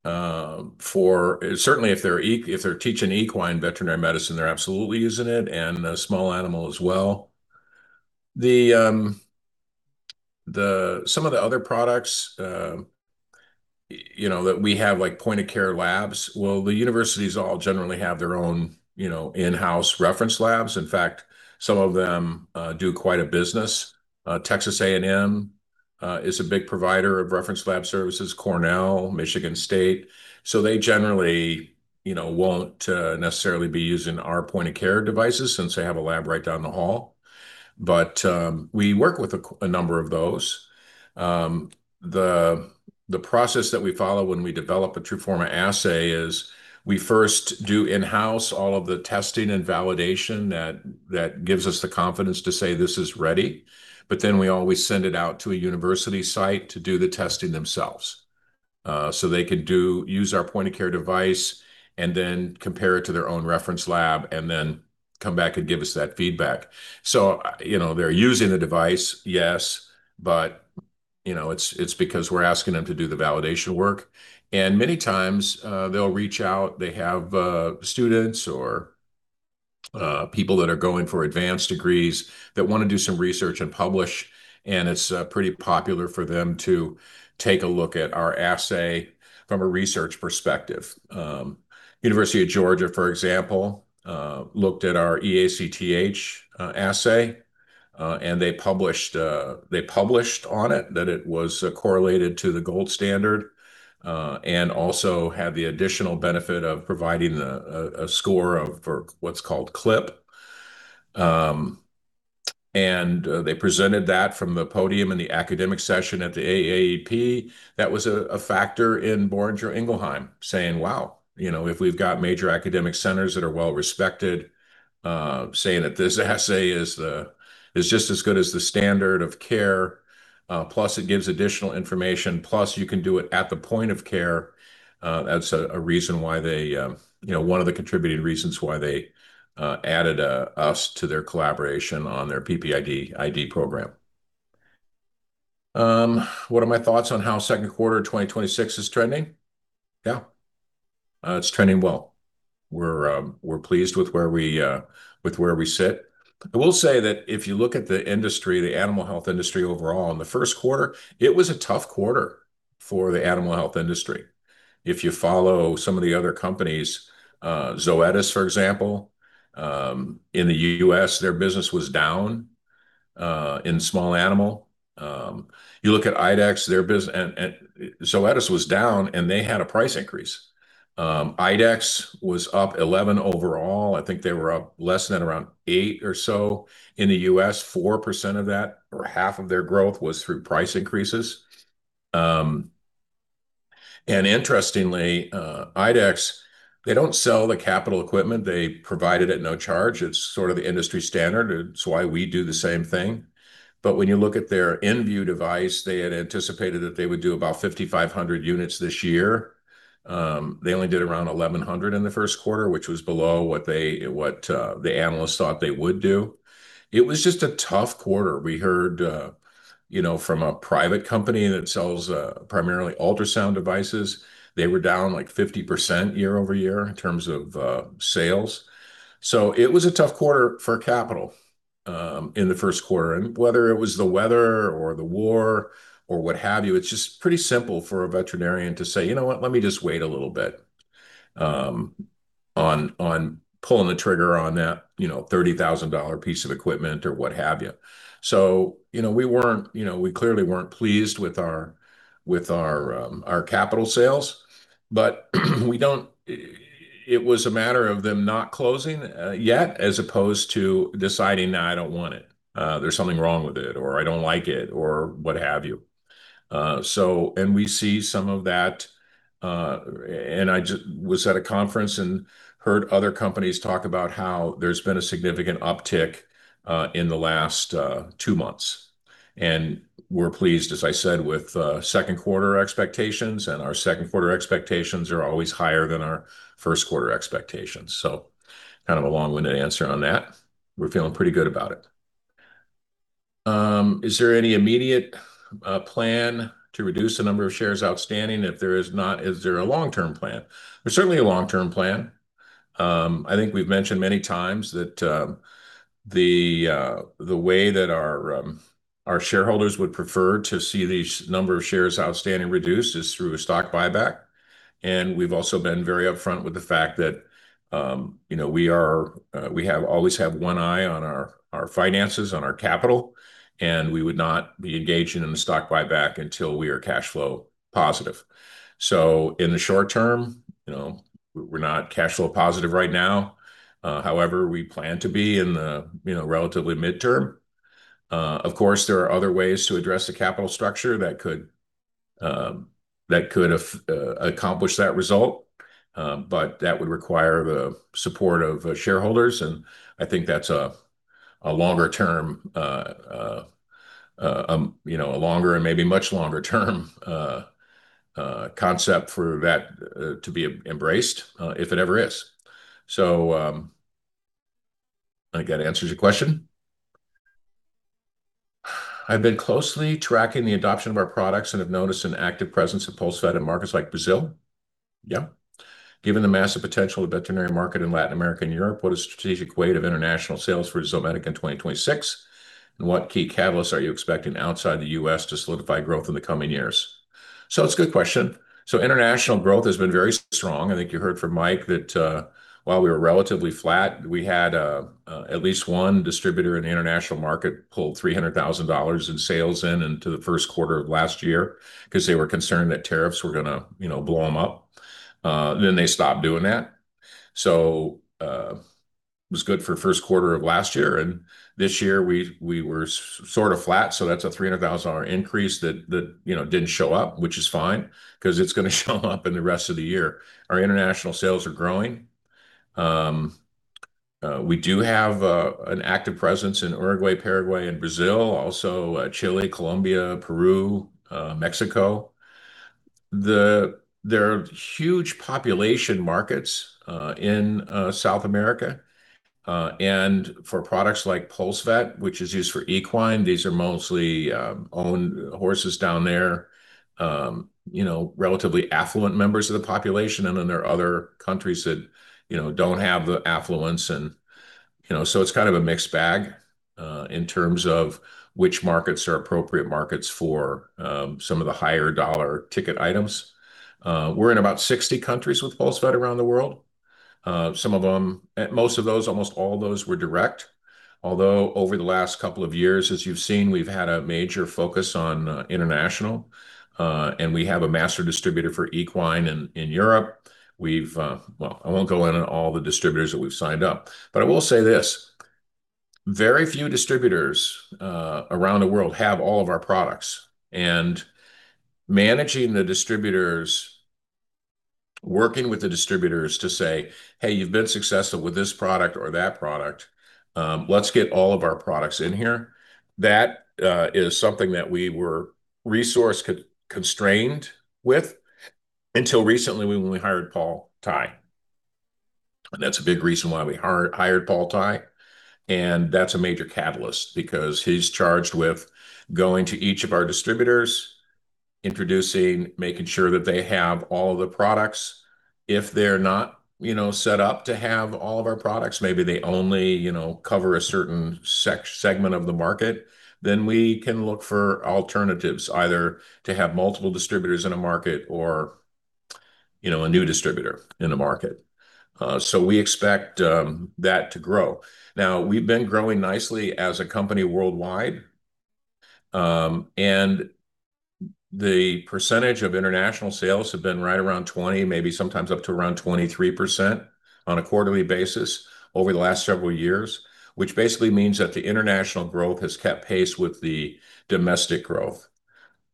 Certainly, if they're teaching equine veterinary medicine, they're absolutely using it, and small animal as well. Some of the other products that we have, like point-of-care labs, well, the universities all generally have their own in-house reference labs. In fact, some of them do quite a business. Texas A&M is a big provider of reference lab services, Cornell, Michigan State. They generally won't necessarily be using our point-of-care devices since they have a lab right down the hall, but we work with a number of those. The process that we follow when we develop a TRUFORMA assay is we first do in-house all of the testing and validation that gives us the confidence to say this is ready, but then we always send it out to a university site to do the testing themselves. They could use our point-of-care device and then compare it to their own reference lab and then come back and give us that feedback. They're using the device, yes, but it's because we're asking them to do the validation work. Many times, they'll reach out. They have students or people that are going for advanced degrees that want to do some research and publish, and it's pretty popular for them to take a look at our assay from a research perspective. University of Georgia, for example, looked at our eACTH assay, and they published on it that it was correlated to the gold standard, and also had the additional benefit of providing a score for what's called CLIP. They presented that from the podium in the academic session at the AAEP. That was a factor in Boehringer Ingelheim saying, "Wow, if we've got major academic centers that are well-respected saying that this assay is just as good as the standard of care, plus it gives additional information, plus you can do it at the point of care." That's one of the contributing reasons why they added us to their collaboration on their idPPID program. "What are my thoughts on how second quarter 2026 is trending?" Yeah. It's trending well. We're pleased with where we sit. I will say that if you look at the industry, the animal health industry overall in the first quarter, it was a tough quarter for the animal health industry. If you follow some of the other companies, Zoetis, for example, in the U.S., their business was down in small animal. You look at IDEXX, Zoetis was down, and they had a price increase. IDEXX was up 11% overall. I think they were up less than around 8% or so in the U.S. 4% of that or half of their growth was through price increases. Interestingly, IDEXX, they don't sell the capital equipment. They provide it at no charge. It's sort of the industry standard. It's why we do the same thing. But when you look at their inVue device, they had anticipated that they would do about 5,500 units this year. They only did around 1,100 in the first quarter, which was below what the analysts thought they would do. It was just a tough quarter. We heard from a private company that sells primarily ultrasound devices, they were down like 50% year-over-year in terms of sales. It was a tough quarter for capital in the first quarter. Whether it was the weather or the war or what have you, it's just pretty simple for a veterinarian to say, "You know what? Let me just wait a little bit on pulling the trigger on that $30,000 piece of equipment," or what have you. We clearly weren't pleased with our capital sales, but it was a matter of them not closing yet as opposed to deciding, "No, I don't want it. There's something wrong with it," or, "I don't like it," or what have you. We see some of that, and I just was at a conference and heard other companies talk about how there's been a significant uptick in the last two months. We're pleased, as I said, with second quarter expectations, and our second-quarter expectations are always higher than our first-quarter expectations. Kind of a long-winded answer on that. We're feeling pretty good about it. "Is there any immediate plan to reduce the number of shares outstanding? If there is not, is there a long-term plan?" There's certainly a long-term plan. I think we've mentioned many times that the way that our shareholders would prefer to see these number of shares outstanding reduced is through a stock buyback, and we've also been very upfront with the fact that we always have one eye on our finances, on our capital, and we would not be engaging in the stock buyback until we are cash flow positive. In the short term, we're not cash flow positive right now. However, we plan to be in the relatively midterm. Of course, there are other ways to address the capital structure that could accomplish that result, but that would require the support of shareholders, and I think that's a longer-term and maybe much longer-term concept for that to be embraced if it ever is. I think that answers your question. "I've been closely tracking the adoption of our products and have noticed an active presence of PulseVet in markets like Brazil." Yep. "Given the massive potential of the veterinary market in Latin America and Europe, what is the strategic weight of international sales for Zomedica in 2026, and what key catalysts are you expecting outside the U.S. to solidify growth in the coming years?" It's a good question. International growth has been very strong. I think you heard from Mike that while we were relatively flat, we had at least one distributor in the international market pull $300,000 in sales into the first quarter of last year because they were concerned that tariffs were going to blow them up, then they stopped doing that. It was good for the first quarter of last year, and this year, we were sort of flat, so that's a $300,000 increase that didn't show up, which is fine because it's going to show up in the rest of the year. Our international sales are growing. We do have an active presence in Uruguay, Paraguay, and Brazil, also Chile, Colombia, Peru, Mexico. There are huge population markets in South America for products like PulseVet, which is used for equine, these are mostly owned horses down there, relatively affluent members of the population. Then there are other countries that don't have the affluence, and so it's kind of a mixed bag in terms of which markets are appropriate markets for some of the higher-dollar ticket items. We're in about 60 countries with PulseVet around the world. Most of those, almost all of those were direct. Over the last couple of years, as you've seen, we've had a major focus on international. We have a master distributor for equine in Europe. Well, I won't go in on all the distributors that we've signed up, but I will say this, very few distributors around the world have all of our products. Managing the distributors, working with the distributors to say, "Hey, you've been successful with this product or that product. Let's get all of our products in here," that is something that we were resource-constrained with until recently when we hired Paul Tye. That's a big reason why we hired Paul Tye, and that's a major catalyst because he's charged with going to each of our distributors, introducing, making sure that they have all of the products. If they're not set up to have all of our products, maybe they only cover a certain segment of the market, then we can look for alternatives, either to have multiple distributors in a market or a new distributor in a market. We expect that to grow. We've been growing nicely as a company worldwide. The percentage of international sales have been right around 20%, maybe sometimes up to around 23% on a quarterly basis over the last several years, which basically means that the international growth has kept pace with the domestic growth.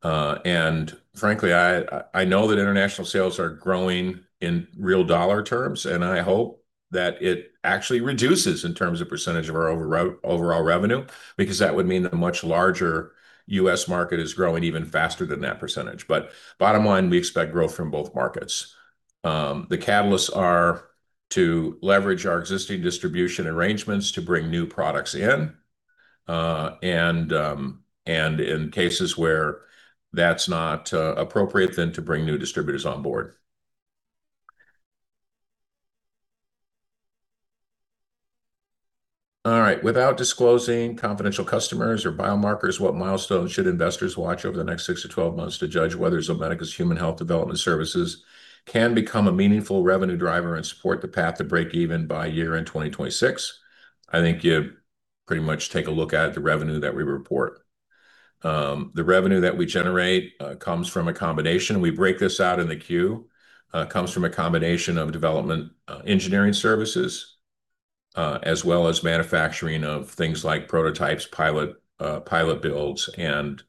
Frankly, I know that international sales are growing in real dollar terms, and I hope that it actually reduces in terms of percentage of our overall revenue because that would mean the much larger U.S. market is growing even faster than that percentage. Bottom line, we expect growth from both markets. The catalysts are to leverage our existing distribution arrangements to bring new products in, and in cases where that's not appropriate, then to bring new distributors on board. All right. "Without disclosing confidential customers or biomarkers, what milestones should investors watch over the next 6-12 months to judge whether Zomedica's human health development services can become a meaningful revenue driver and support the path to breakeven by year-end 2026?" I think you pretty much take a look at the revenue that we report. The revenue that we generate comes from a combination. We break this out in the Q. It comes from a combination of development engineering services, as well as manufacturing of things like prototypes, pilot builds, and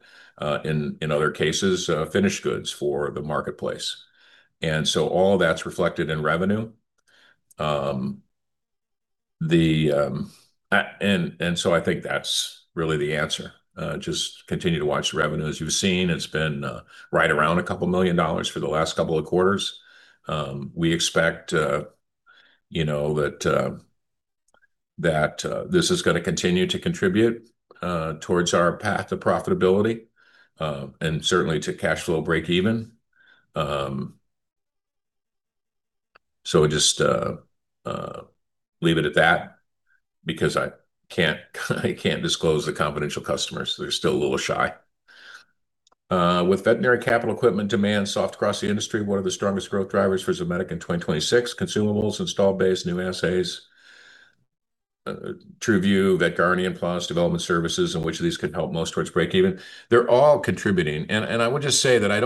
in other cases, finished goods for the marketplace. All that's reflected in revenue. I think that's really the answer. Just continue to watch the revenue. As you've seen, it's been right around a couple million dollars for the last couple of quarters. We expect that this is going to continue to contribute towards our path of profitability, and certainly to cash flow breakeven. Just leave it at that because I can't disclose the confidential customers, they're still a little shy. "With veterinary capital equipment demand soft across the industry, what are the strongest growth drivers for Zomedica in 2026? Consumables, installed base, new assays, TRUVIEW, VETGuardian PLUS, development services, which of these could help most towards breakeven?" They're all contributing. I would just say that I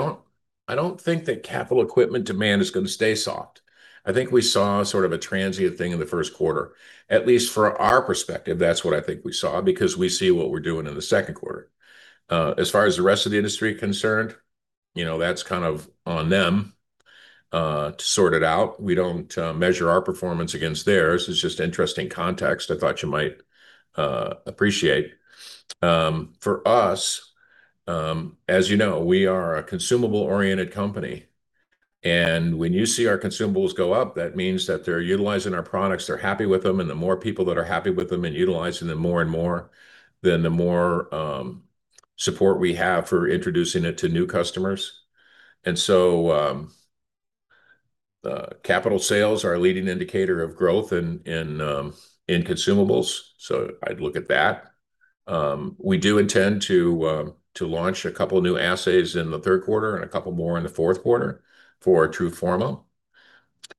don't think that capital equipment demand is going to stay soft. I think we saw sort of a transient thing in the first quarter, at least from our perspective, that's what I think we saw, because we see what we're doing in the second quarter. As far as the rest of the industry concerned, that's kind of on them to sort it out. We don't measure our performance against theirs. It's just interesting context I thought you might appreciate. For us, as you know, we are a consumable-oriented company, and when you see our consumables go up, that means that they're utilizing our products, they're happy with them, and the more people that are happy with them and utilizing them more and more, then the more support we have for introducing it to new customers. Capital sales are a leading indicator of growth in consumables, so I'd look at that. We do intend to launch a couple of new assays in the third quarter and a couple more in the fourth quarter for TRUFORMA.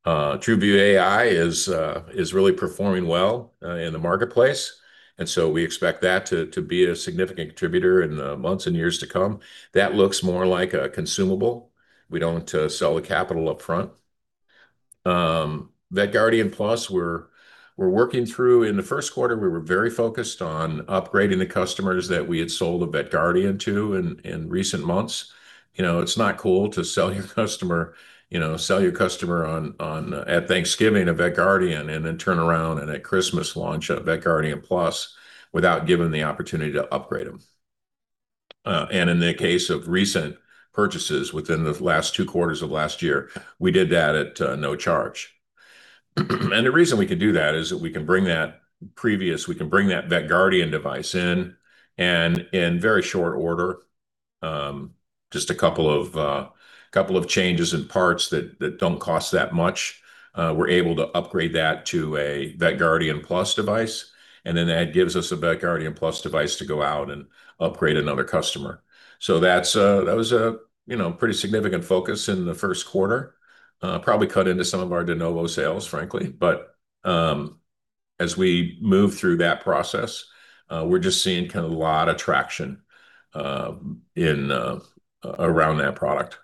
TRUVIEW AI is really performing well in the marketplace, and so, we expect that to be a significant contributor in the months and years to come. That looks more like a consumable. We don't sell the capital upfront. VETGuardian PLUS, we're working through. In the first quarter, we were very focused on upgrading the customers that we had sold a VETGuardian to in recent months. It's not cool to sell your customer at Thanksgiving a VETGuardian and then turn around and at Christmas launch a VETGuardian PLUS without giving the opportunity to upgrade them. In the case of recent purchases within the last two quarters of last year, we did that at no charge. The reason we could do that is that we can bring that previous VETGuardian device in very short order, just a couple of changes in parts that don't cost that much, we're able to upgrade that to a VETGuardian PLUS device. That gives us a VETGuardian PLUS device to go out and upgrade another customer. That was a pretty significant focus in the first quarter. Probably cut into some of our de novo sales, frankly, but as we move through that process, we're just seeing kind of a lot of traction around that product.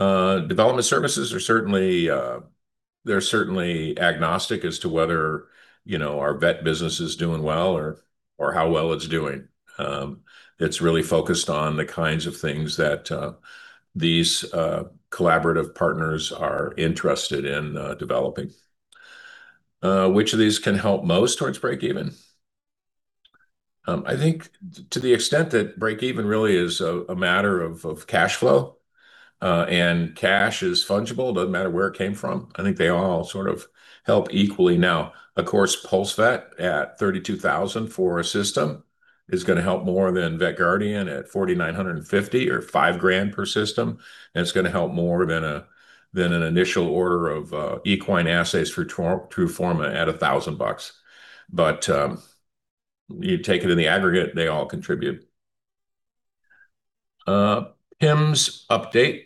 Development services, they're certainly agnostic as to whether our vet business is doing well or how well it's doing. It's really focused on the kinds of things that these collaborative partners are interested in developing. Which of these can help most towards breakeven? I think to the extent that breakeven really is a matter of cash flow, and cash is fungible, doesn't matter where it came from. I think they all sort of help equally. Of course, PulseVet at $32,000 for a system is going to help more than VETGuardian at $4,950 or $5,000 per system, and it's going to help more than an initial order of equine assays for TRUFORMA at $1,000. You take it in the aggregate, they all contribute. "PIMS update.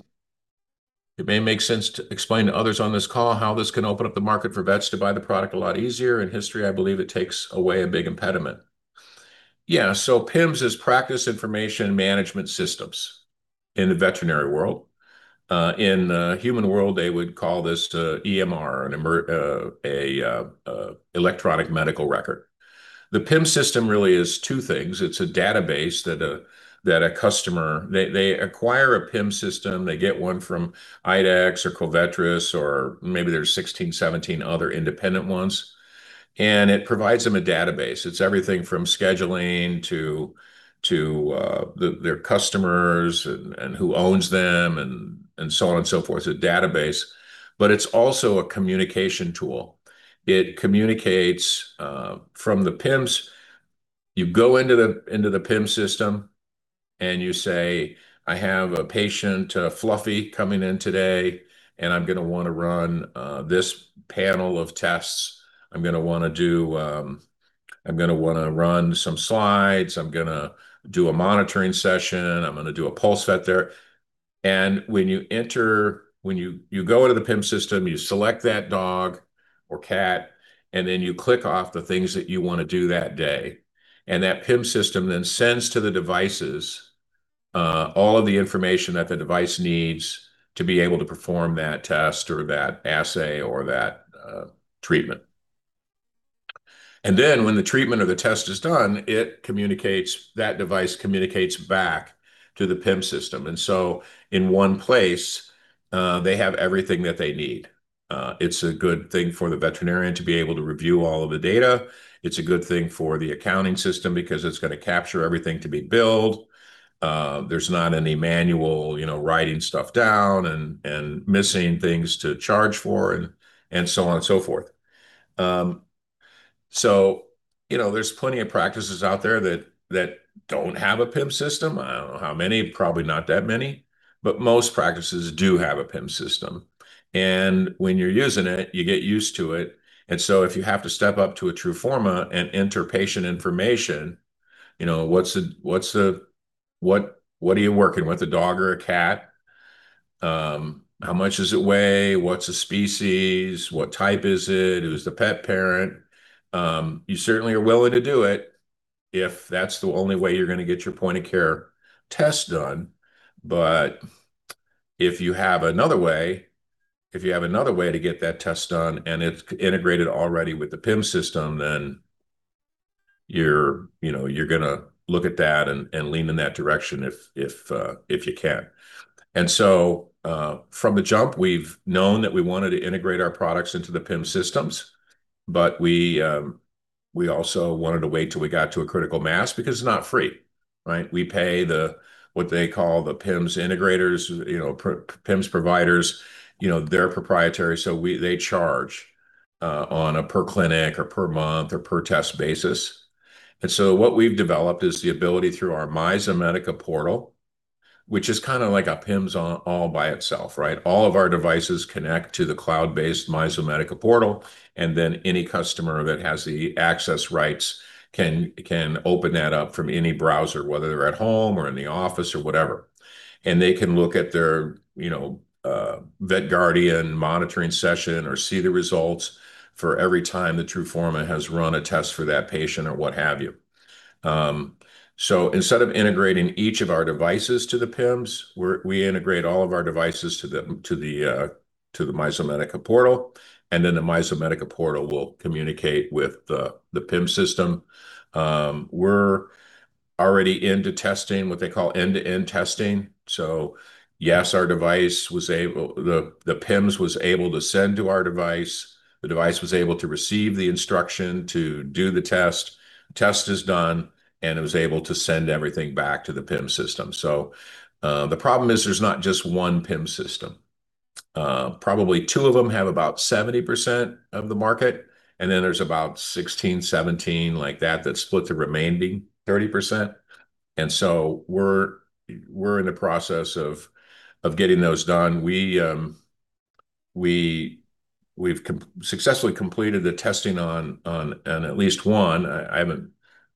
It may make sense to explain to others on this call how this can open up the market for vets to buy the product a lot easier. In history, I believe it takes away a big impediment." Yeah. PIMS is practice information management systems in the veterinary world. In the human world, they would call this EMR, an electronic medical record. The PIM system really is two things. It's a database that a customer, they acquire a PIM system. They get one from IDEXX or Covetrus or maybe there's 16, 17 other independent ones, and it provides them a database. It's everything from scheduling to their customers and who owns them and so on and so forth. A database. But it's also a communication tool. It communicates from the PIMS. You go into the PIM system, and you say, "I have a patient, Fluffy, coming in today, and I'm going to want to run this panel of tests. I'm going to want to run some slides. I'm going to do a monitoring session. I'm going to do a PulseVet there." When you go into the PIM system, you select that dog or cat, and then you click off the things that you want to do that day. That PIM system then sends to the devices all of the information that the device needs to be able to perform that test or that assay or that treatment. Then, when the treatment or the test is done, that device communicates back to the PIM system. In one place, they have everything that they need. It's a good thing for the veterinarian to be able to review all of the data. It's a good thing for the accounting system because it's going to capture everything to be billed. There's not any manual writing stuff down and missing things to charge for and so on and so forth. There's plenty of practices out there that don't have a PIM system. I don't know how many, probably not that many, but most practices do have a PIM system. When you're using it, you get used to it. If you have to step up to a TRUFORMA and enter patient information, what are you working with, a dog or a cat? How much does it weigh? What's the species? What type is it? Who's the pet parent? You certainly are willing to do it if that's the only way you're going to get your point-of-care test done. If you have another way to get that test done and it's integrated already with the PIM system, then you're going to look at that and lean in that direction if you can. From the jump, we've known that we wanted to integrate our products into the PIM systems, but we also wanted to wait till we got to a critical mass because it's not free, right? We pay what they call the PIMS integrators, PIMS providers, they're proprietary, so they charge on a per clinic or per month or per test basis. What we've developed is the ability through our myZomedica portal, which is kind of like a PIMS all by itself, right? All of our devices connect to the cloud-based myZomedica portal, and then any customer that has the access rights can open that up from any browser, whether they're at home or in the office or whatever. They can look at their VETGuardian monitoring session or see the results for every time the TRUFORMA has run a test for that patient or what have you. Instead of integrating each of our devices to the PIMS, we integrate all of our devices to the myZomedica portal, and then the myZomedica portal will communicate with the PIM system. We're already into testing, what they call end-to-end testing. Yes, the PIMS was able to send to our device. The device was able to receive the instruction to do the test. Test is done, and it was able to send everything back to the PIM system. The problem is there's not just one PIM system. Probably two of them have about 70% of the market, and then there's about 16, 17 like that split the remaining 30%. We're in the process of getting those done. We've successfully completed the testing on at least one. I haven't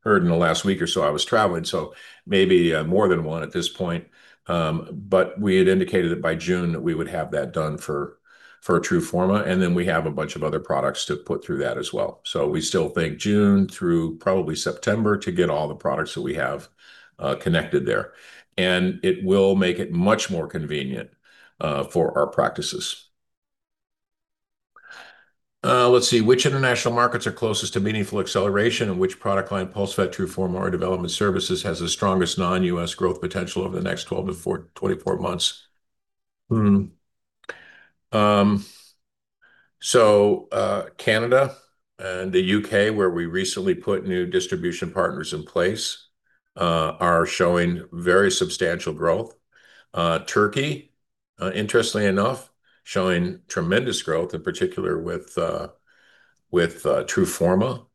heard in the last week or so, I was traveling, so maybe more than one at this point. But we had indicated that by June, we would have that done for TRUFORMA, and then we have a bunch of other products to put through that as well. We still think June through probably September to get all the products that we have connected there, and it will make it much more convenient for our practices. Let's see. "Which international markets are closest to meaningful acceleration, and which product line, PulseVet, TRUFORMA, or development services, has the strongest non-U.S. growth potential over the next 12-24 months?" Canada and the U.K., where we recently put new distribution partners in place, are showing very substantial growth. Turkey, interestingly enough, showing tremendous growth, in particular with TRUFORMA.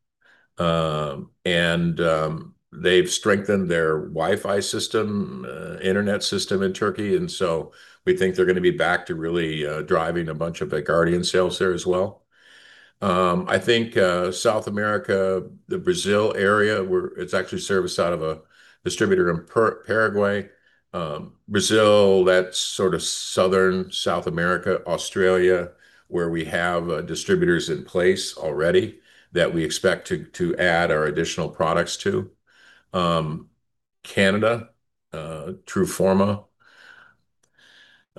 They've strengthened their Wi-Fi system, internet system in Turkey, and so, we think they're going to be back to really driving a bunch of VETGuardian sales there as well. I think South America, the Brazil area, it's actually serviced out of a distributor in Paraguay. Brazil, that's sort of southern South America, Australia, where we have distributors in place already that we expect to add our additional products to. Canada, TRUFORMA.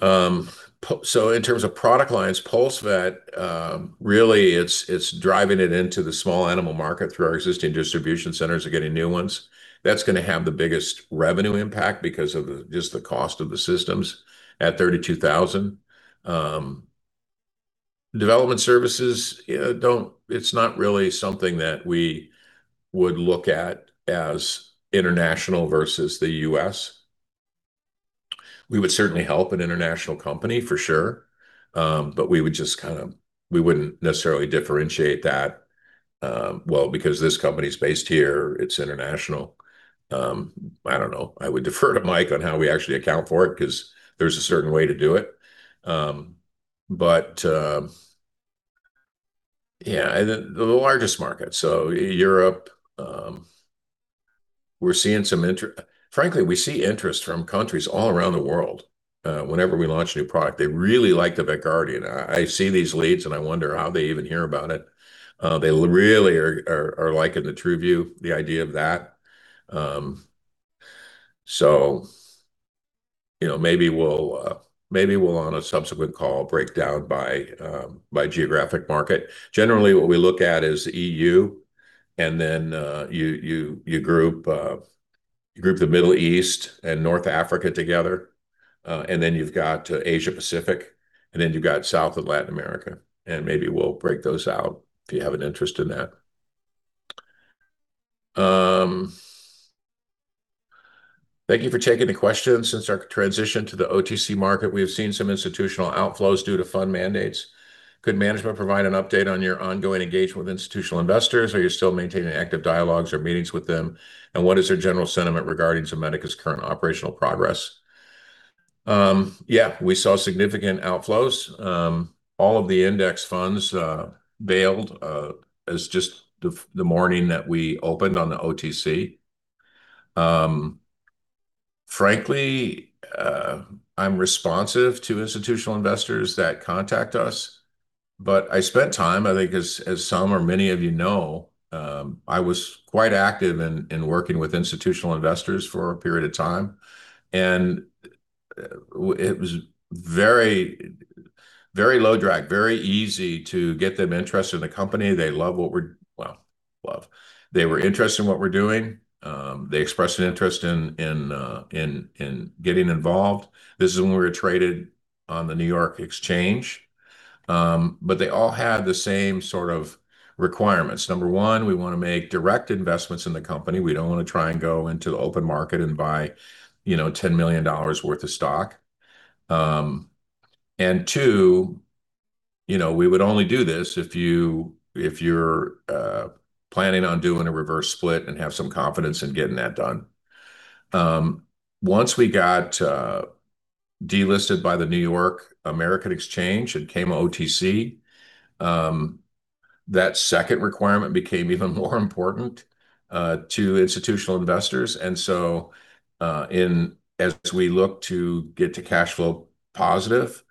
In terms of product lines, PulseVet, really it's driving it into the small animal market through our existing distribution centers or getting new ones. That's going to have the biggest revenue impact because of just the cost of the systems at $32,000. Development services, it's not really something that we would look at as international versus the U.S. We would certainly help an international company for sure, but we wouldn't necessarily differentiate that, well, because this company's based here, it's international. I don't know. I would defer to Mike on how we actually account for it because there's a certain way to do it. Yeah, the largest market, Europe. Frankly, we see interest from countries all around the world whenever we launch a new product. They really like the VETGuardian. I see these leads, and I wonder how they even hear about it. They really are liking the TRUVIEW, the idea of that. Maybe we'll, on a subsequent call, break down by geographic market. Generally, what we look at is EU, and then you group the Middle East and North Africa together, and then you've got Asia-Pacific, and then you've got South and Latin America. Maybe we'll break those out if you have an interest in that. "Thank you for taking the questions. Since our transition to the OTC market, we have seen some institutional outflows due to fund mandates. Could management provide an update on your ongoing engagement with institutional investors? Are you still maintaining active dialogues or meetings with them, and what is their general sentiment regarding Zomedica's current operational progress?" Yeah, we saw significant outflows. All of the index funds bailed as just the morning that we opened on the OTC. Frankly, I'm responsive to institutional investors that contact us, but I spent time, I think as some or many of you know, I was quite active in working with institutional investors for a period of time, and it was very low drag, very easy to get them interested in the company. They love, well, they were interested in what we're doing. They expressed an interest in getting involved. This is when we were traded on the New York Exchange. They all had the same sort of requirements. Number one, we want to make direct investments in the company. We don't want to try and go into the open market and buy $10 million worth of stock. Two, we would only do this if you're planning on doing a reverse split and have some confidence in getting that done. Once we got delisted by the New York American Exchange, it became OTC. That second requirement became even more important to institutional investors, and so, as we look to get to cash flow positive,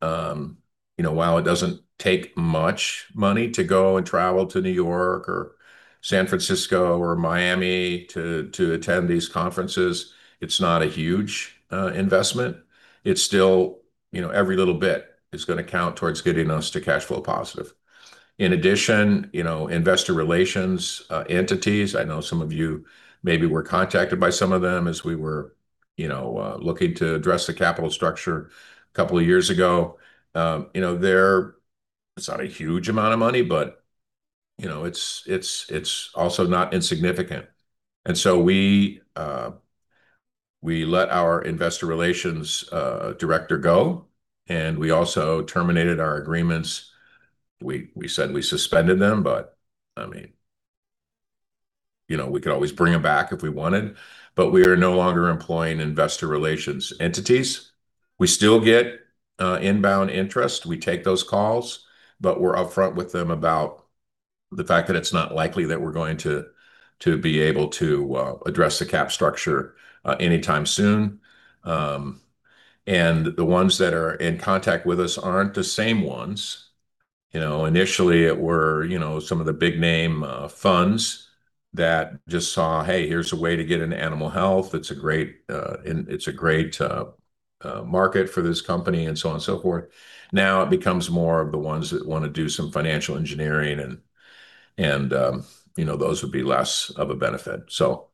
while it doesn't take much money to go and travel to New York or San Francisco or Miami to attend these conferences, it's not a huge investment. Every little bit is going to count towards getting us to cash flow positive. In addition, investor relations entities, I know some of you maybe were contacted by some of them as we were looking to address the capital structure a couple of years ago. It's not a huge amount of money, but it's also not insignificant. We let our investor relations director go, and we also terminated our agreements. We said we suspended them, but we could always bring them back if we wanted, but we are no longer employing investor relations entities. We still get inbound interest. We take those calls, but we're upfront with them about the fact that it's not likely that we're going to be able to address the cap structure anytime soon. The ones that are in contact with us aren't the same ones. Initially, it were some of the big-name funds that just saw, "Hey, here's a way to get into animal health. It's a great market for this company," and so on and so forth. Now, it becomes more of the ones that want to do some financial engineering, and those would be less of a benefit, so.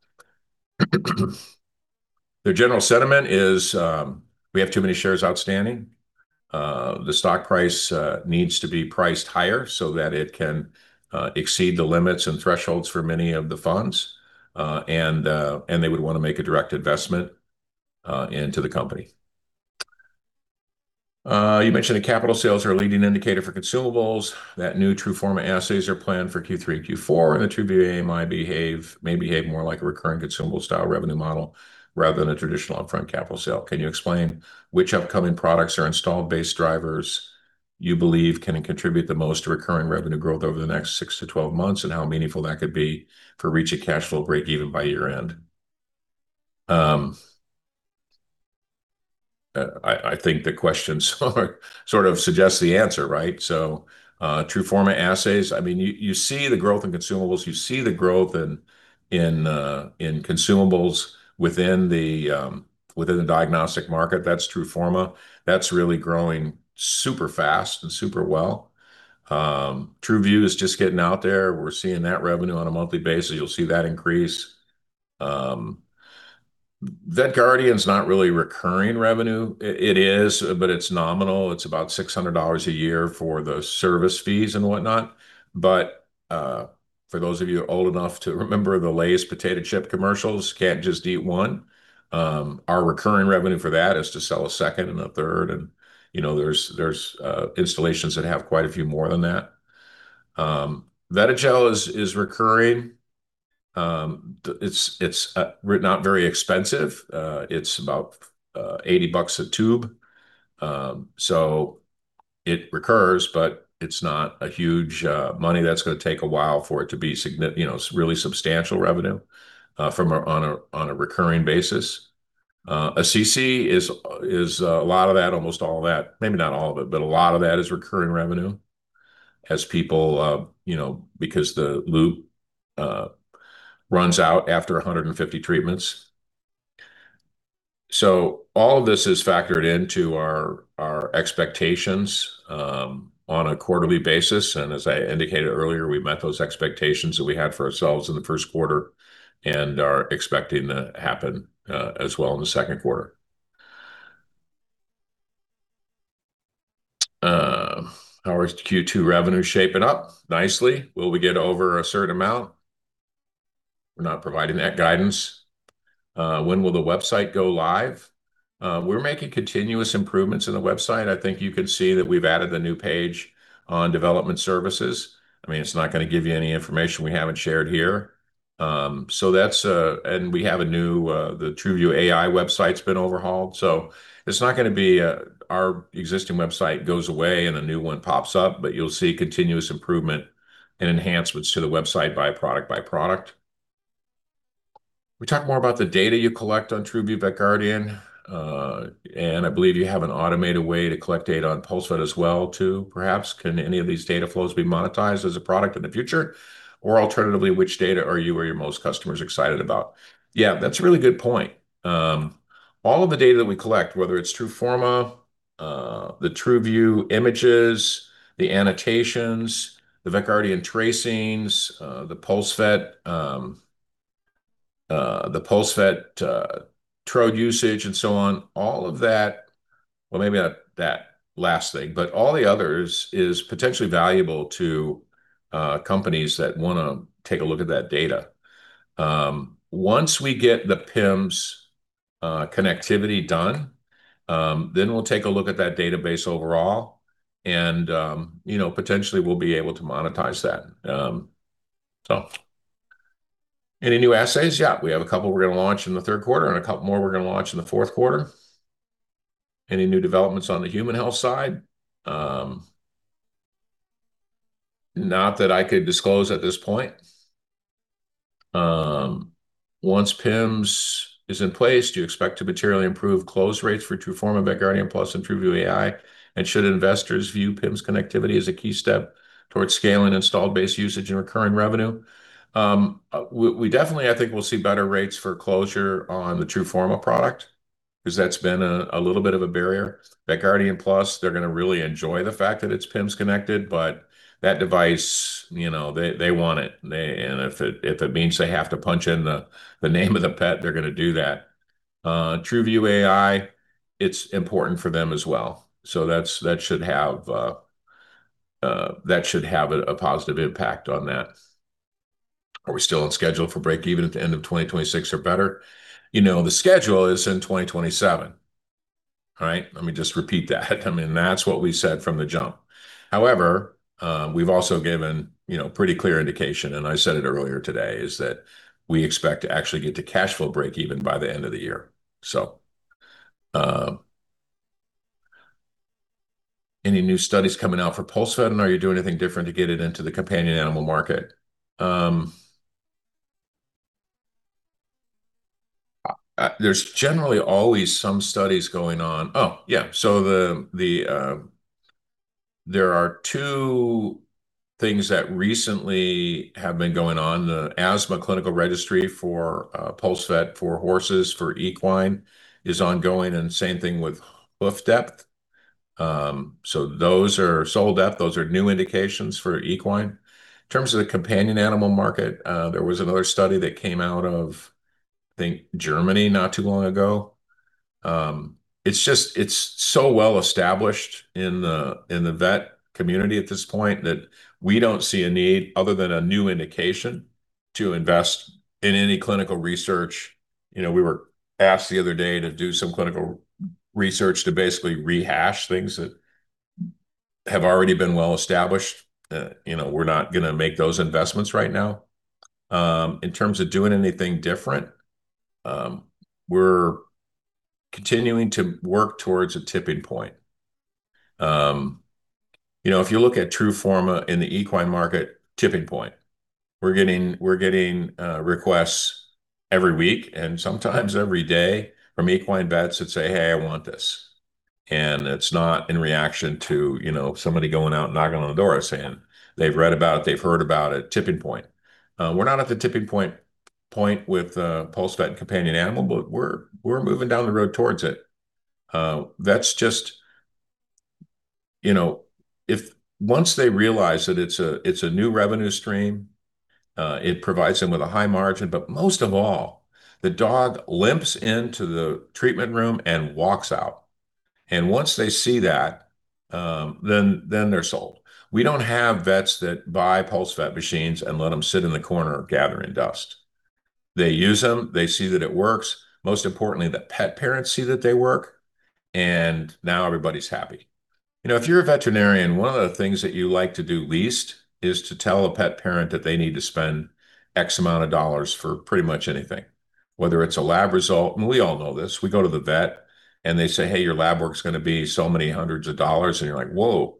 Their general sentiment is we have too many shares outstanding. The stock price needs to be priced higher so that it can exceed the limits and thresholds for many of the funds, and they would want to make a direct investment into the company. "You mentioned that capital sales are a leading indicator for consumables, that new TRUFORMA assays are planned for Q3 and Q4, and the TRUVIEW may behave more like a recurring consumable-style revenue model rather than a traditional upfront capital sale. Can you explain which upcoming products or install-based drivers you believe can contribute the most to recurring revenue growth over the next 6-12 months, and how meaningful that could be for reach of cash flow breakeven by year-end?" I think the questions sort of suggest the answer, right? TRUFORMA assays, I mean, you see the growth in consumables. You see the growth in consumables within the diagnostic market. That's TRUFORMA. That's really growing super-fast and super well. TRUVIEW is just getting out there. We're seeing that revenue on a monthly basis. You'll see that increase. VETGuardian's not really recurring revenue. It is, but it's nominal. It's about $600 a year for those service fees and whatnot. For those of you old enough to remember the Lay's potato chip commercials, can't just eat one. Our recurring revenue for that is to sell a second and a third, and there's installations that have quite a few more than that. VETIGEL is recurring. It's not very expensive. It's about $80 a tube. It recurs, but it's not a huge money that's going to take a while for it to be really substantial revenue on a recurring basis. Assisi is a lot of that, almost all that, maybe not all of it, but a lot of that is recurring revenue because the loop runs out after 150 treatments. All of this is factored into our expectations on a quarterly basis, and as I indicated earlier, we met those expectations that we had for ourselves in the first quarter and are expecting to happen as well in the second quarter. "How is Q2 revenue shaping up?" Nicely. Will we get over a certain amount? We're not providing that guidance. "When will the website go live?" We're making continuous improvements in the website. I think you could see that we've added the new page on development services. It's not going to give you any information we haven't shared here. We have a new, the TRUVIEW AI website's been overhauled, so it's not going to be our existing website goes away and a new one pops up, but you'll see continuous improvement and enhancements to the website by product. "Will you talk more about the data you collect on TRUVIEW, VETGuardian? I believe you have an automated way to collect data on PulseVet as well, too. Perhaps, can any of these data flows be monetized as a product in the future? Or alternatively, which data are you or your most customers excited about?" Yeah, that's a really good point. All of the data that we collect, whether it's TRUFORMA, the TRUVIEW images, the annotations, the VETGuardian tracings, the PulseVet, the PulseVet trode usage, and so on, all of that, well, maybe not that last thing, but all the others is potentially valuable to companies that want to take a look at that data. Once we get the PIMS connectivity done, then we'll take a look at that database overall and, potentially we'll be able to monetize that. "Any new assays?" Yeah, we have a couple we're going to launch in the third quarter and a couple more we're going to launch in the fourth quarter. "Any new developments on the human health side?" Not that I could disclose at this point. "Once PIMS is in place, do you expect to materially improve close rates for TRUFORMA, VETGuardian PLUS, and TRUVIEW AI? Should investors view PIMS connectivity as a key step towards scaling installed base usage and recurring revenue?" We definitely, I think we'll see better rates for closure on the TRUFORMA product because that's been a little bit of a barrier. VETGuardian PLUS, they're going to really enjoy the fact that it's PIMS-connected, but that device, they want it. If it means they have to punch in the name of the pet, they're going to do that. TRUVIEW AI, it's important for them as well. That should have a positive impact on that. "Are we still on schedule for breakeven at the end of 2026 or better?" The schedule is in 2027, right? Let me just repeat that. That's what we said from the jump. However, we've also given pretty clear indication, and I said it earlier today, is that we expect to actually get to cash flow breakeven by the end of the year. "Any new studies coming out for PulseVet, and are you doing anything different to get it into the companion animal market?" There's generally always some studies going on. Oh, yeah. There are two things that recently have been going on. The asthma clinical registry for PulseVet for horses, for equine, is ongoing, and same thing with hoof depth. Those are sole depth. Those are new indications for equine. In terms of the companion animal market, there was another study that came out of, I think, Germany not too long ago. It's so well-established in the vet community at this point that we don't see a need, other than a new indication, to invest in any clinical research. We were asked the other day to do some clinical research to basically rehash things that have already been well-established. We're not going to make those investments right now. In terms of doing anything different, we're continuing to work towards a tipping point. If you look at TRUFORMA in the equine market, tipping point. We're getting requests every week and sometimes every day from equine vets that say, "Hey, I want this." It's not in reaction to somebody going out and knocking on the door saying they've read about it, they've heard about it. Tipping point. We're not at the tipping point with PulseVet and companion animal, but we're moving down the road towards it. Once they realize that it's a new revenue stream, it provides them with a high margin. Most of all, the dog limps into the treatment room and walks out. Once they see that, they're sold. We don't have vets that buy PulseVet machines and let them sit in the corner gathering dust. They use them, they see that it works. Most importantly, the pet parents see that they work, and now, everybody's happy. If you're a veterinarian, one of the things that you like to do least is to tell a pet parent that they need to spend X amount of dollars for pretty much anything, whether it's a lab result. We all know this. We go to the vet, they say, "Hey, your lab work's going to be so many hundreds of dollars," and you're like, "Whoa."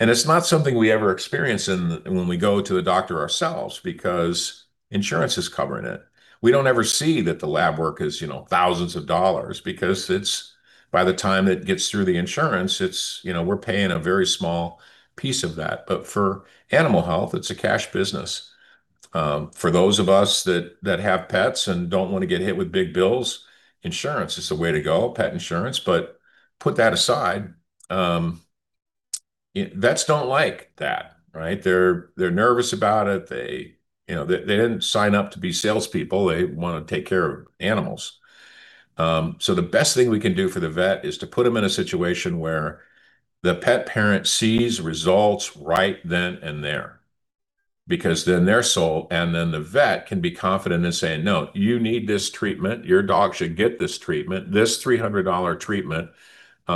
It's not something we ever experience when we go to the doctor ourselves because insurance is covering it. We don't ever see that the lab work is thousands of dollars because by the time it gets through the insurance, we're paying a very small piece of that. For animal health, it's a cash business. For those of us that have pets and don't want to get hit with big bills, insurance is the way to go, pet insurance. Put that aside, vets don't like that, right? They're nervous about it. They didn't sign up to be salespeople. They want to take care of animals. The best thing we can do for the vet is to put them in a situation where the pet parent sees results right then and there, because then they're sold, and then the vet can be confident in saying, "No, you need this treatment. Your dog should get this treatment, this $300 treatment,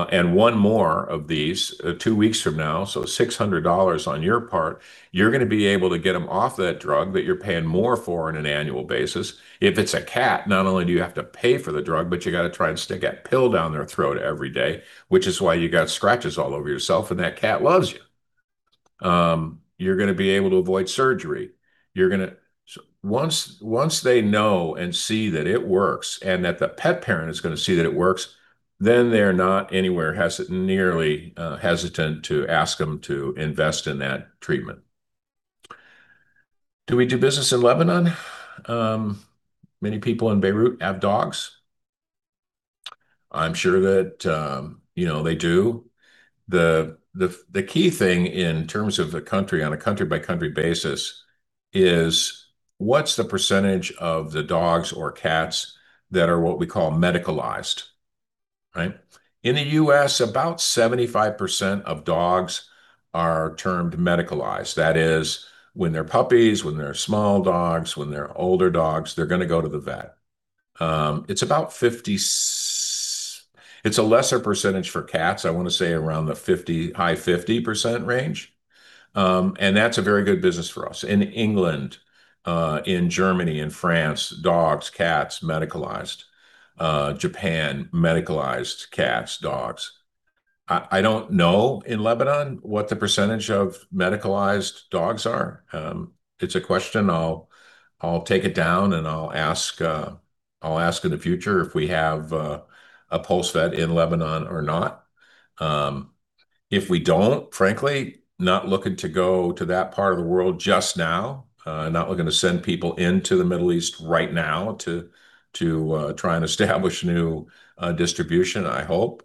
and one more of these two weeks from now." $600 on your part. You're going to be able to get them off that drug that you're paying more for on an annual basis. If it's a cat, not only do you have to pay for the drug, but you got to try and stick that pill down their throat every day, which is why you got scratches all over yourself, and that cat loves you. You're going to be able to avoid surgery. Once they know and see that it works and that the pet parent is going to see that it works, then they're not anywhere nearly hesitant to ask them to invest in that treatment. "Do we do business in Lebanon?" Many people in Beirut have dogs. I'm sure that they do. The key thing in terms of the country, on a country-by-country basis is what's the percentage of the dogs or cats that are what we call medicalized, right? In the U.S., about 75% of dogs are termed medicalized. That is, when they're puppies, when they're small dogs, when they're older dogs, they're going to go to the vet. It's about 50s, it's a lesser percentage for cats, I want to say around the high 50% range, and that's a very good business for us. In England, in Germany, in France, dogs, cats, medicalized. Japan, medicalized cats, dogs. I don't know in Lebanon what the percentage of medicalized dogs are. It's a question, I'll take it down and I'll ask in the future if we have a PulseVet in Lebanon or not. If we don't, frankly, not looking to go to that part of the world just now. Not looking to send people into the Middle East right now to try and establish new distribution, I hope,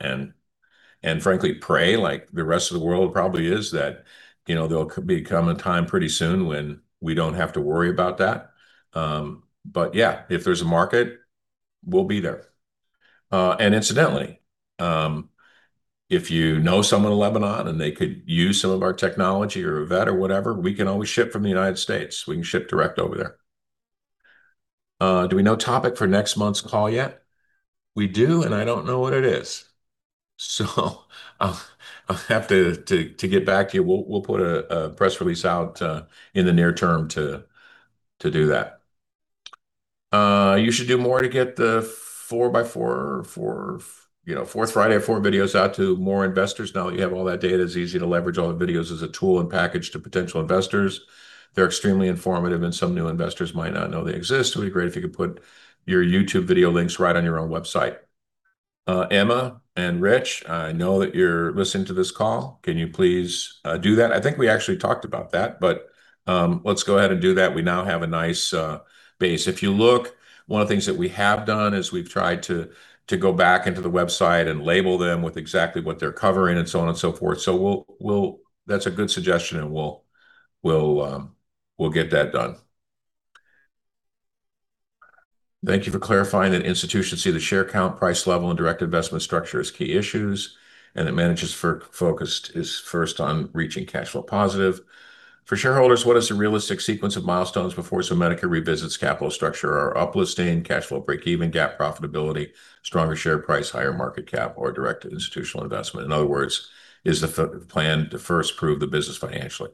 and frankly, pray like the rest of the world probably is that there'll come a time pretty soon when we don't have to worry about that. Yeah, if there's a market, we'll be there. Incidentally, if you know someone in Lebanon and they could use some of our technology or a vet or whatever, we can always ship from the United States. We can ship direct over there. "Do we know topic for next month's call yet?" We do, and I don't know what it is, so I'll have to get back to you. We'll put a press release out in the near term to do that. "You should do more to get the four by four, fourth Friday, four videos out to more investors now that you have all that data. It's easy to leverage all the videos as a tool and package to potential investors. They're extremely informative, and some new investors might not know they exist. It'd be great if you could put your YouTube video links right on your own website." Emma and Rich, I know that you're listening to this call. Can you please do that? I think we actually talked about that, but let's go ahead and do that. We now have a nice base. If you look, one of the things that we have done is we've tried to go back into the website and label them with exactly what they're covering and so on and so forth. That's a good suggestion, and we'll get that done. "Thank you for clarifying that institutions see the share count, price level, and direct investment structure as key issues, and that management is focused first on reaching cash flow positive. For shareholders, what is the realistic sequence of milestones before Zomedica revisits capital structure or uplisting, cash flow breakeven, GAAP profitability, stronger share price, higher market cap, or directed institutional investment? In other words, is the plan to first prove the business financially?"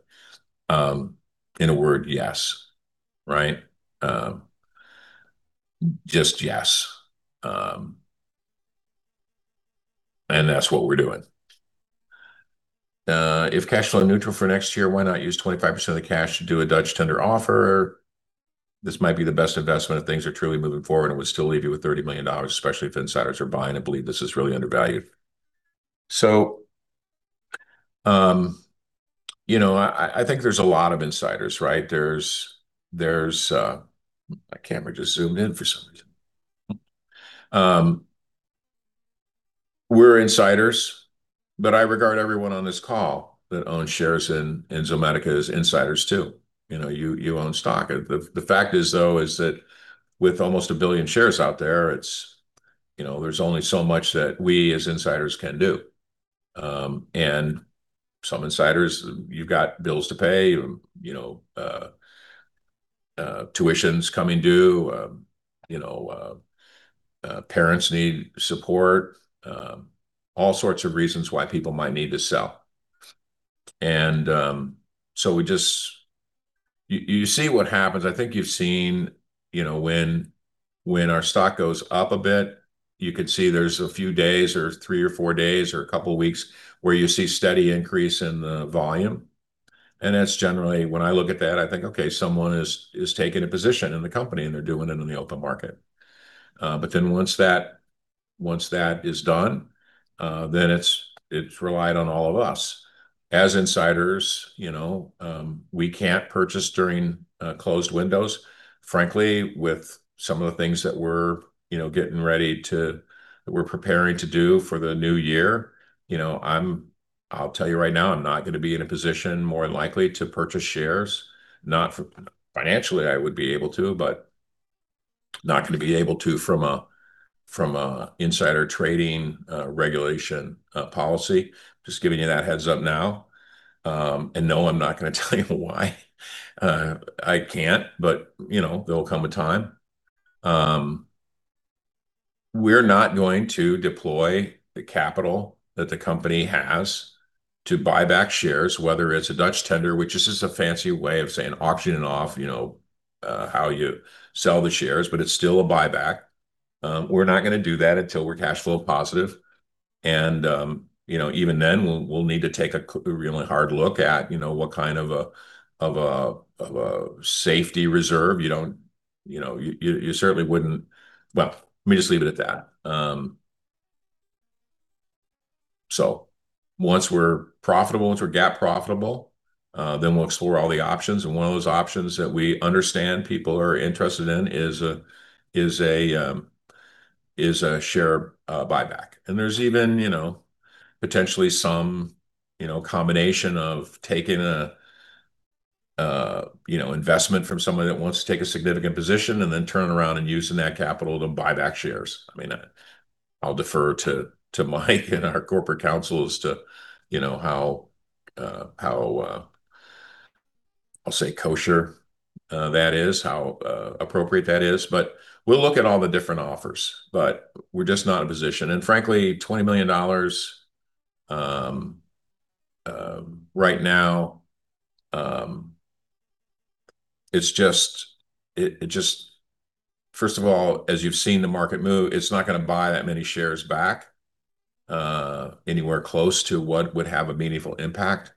In a word, yes, right? Just yes, and that's what we're doing. "If cash flow neutral for next year, why not use 25% of the cash to do a Dutch tender offer? This might be the best investment if things are truly moving forward, would still leave you with $30 million, especially if insiders are buying and believe this is really undervalued." I think there's a lot of insiders, right? My camera just zoomed in for some reason. We're insiders, but I regard everyone on this call that owns shares in Zomedica as insiders, too. You own stock. The fact is, though, is that with almost a billion shares out there, there's only so much that we, as insiders, can do. Some insiders, you've got bills to pay, tuitions coming due, parents need support. All sorts of reasons why people might need to sell. You see what happens. I think you've seen when our stock goes up a bit, you could see there's a few days, or three or four days, or a couple of weeks where you see steady increase in the volume. That's generally when I look at that, I think, okay, someone is taking a position in the company, and they're doing it in the open market. Once that is done, then it's relied on all of us. As insiders, we can't purchase during closed windows. Frankly, with some of the things that we're preparing to do for the new year, I'll tell you right now, I'm not going to be in a position more than likely to purchase shares. Financially, I would be able to, but not going to be able to from a insider trading regulation policy. Just giving you that heads-up now. No, I'm not going to tell you why. I can't, but there'll come a time. We're not going to deploy the capital that the company has to buy back shares, whether it's a Dutch tender, which is just a fancy way of saying auctioning off how you sell the shares, but it's still a buyback. We're not going to do that until we're cash flow positive. Even then, we'll need to take a really hard look at what kind of a safety reserve. Well, let me just leave it at that. Once we're profitable, once we're GAAP profitable, then we'll explore all the options. One of those options that we understand people are interested in is a share buyback. There's even potentially some combination of taking an investment from somebody that wants to take a significant position and then turn around and using that capital to buy back shares. I'll defer to Mike and our corporate counsel as to how, I'll say kosher that is, how appropriate that is, but we'll look at all the different offers. We're just not in a position. Frankly, $20 million right now, first of all, as you've seen the market move, it's not going to buy that many shares back anywhere close to what would have a meaningful impact.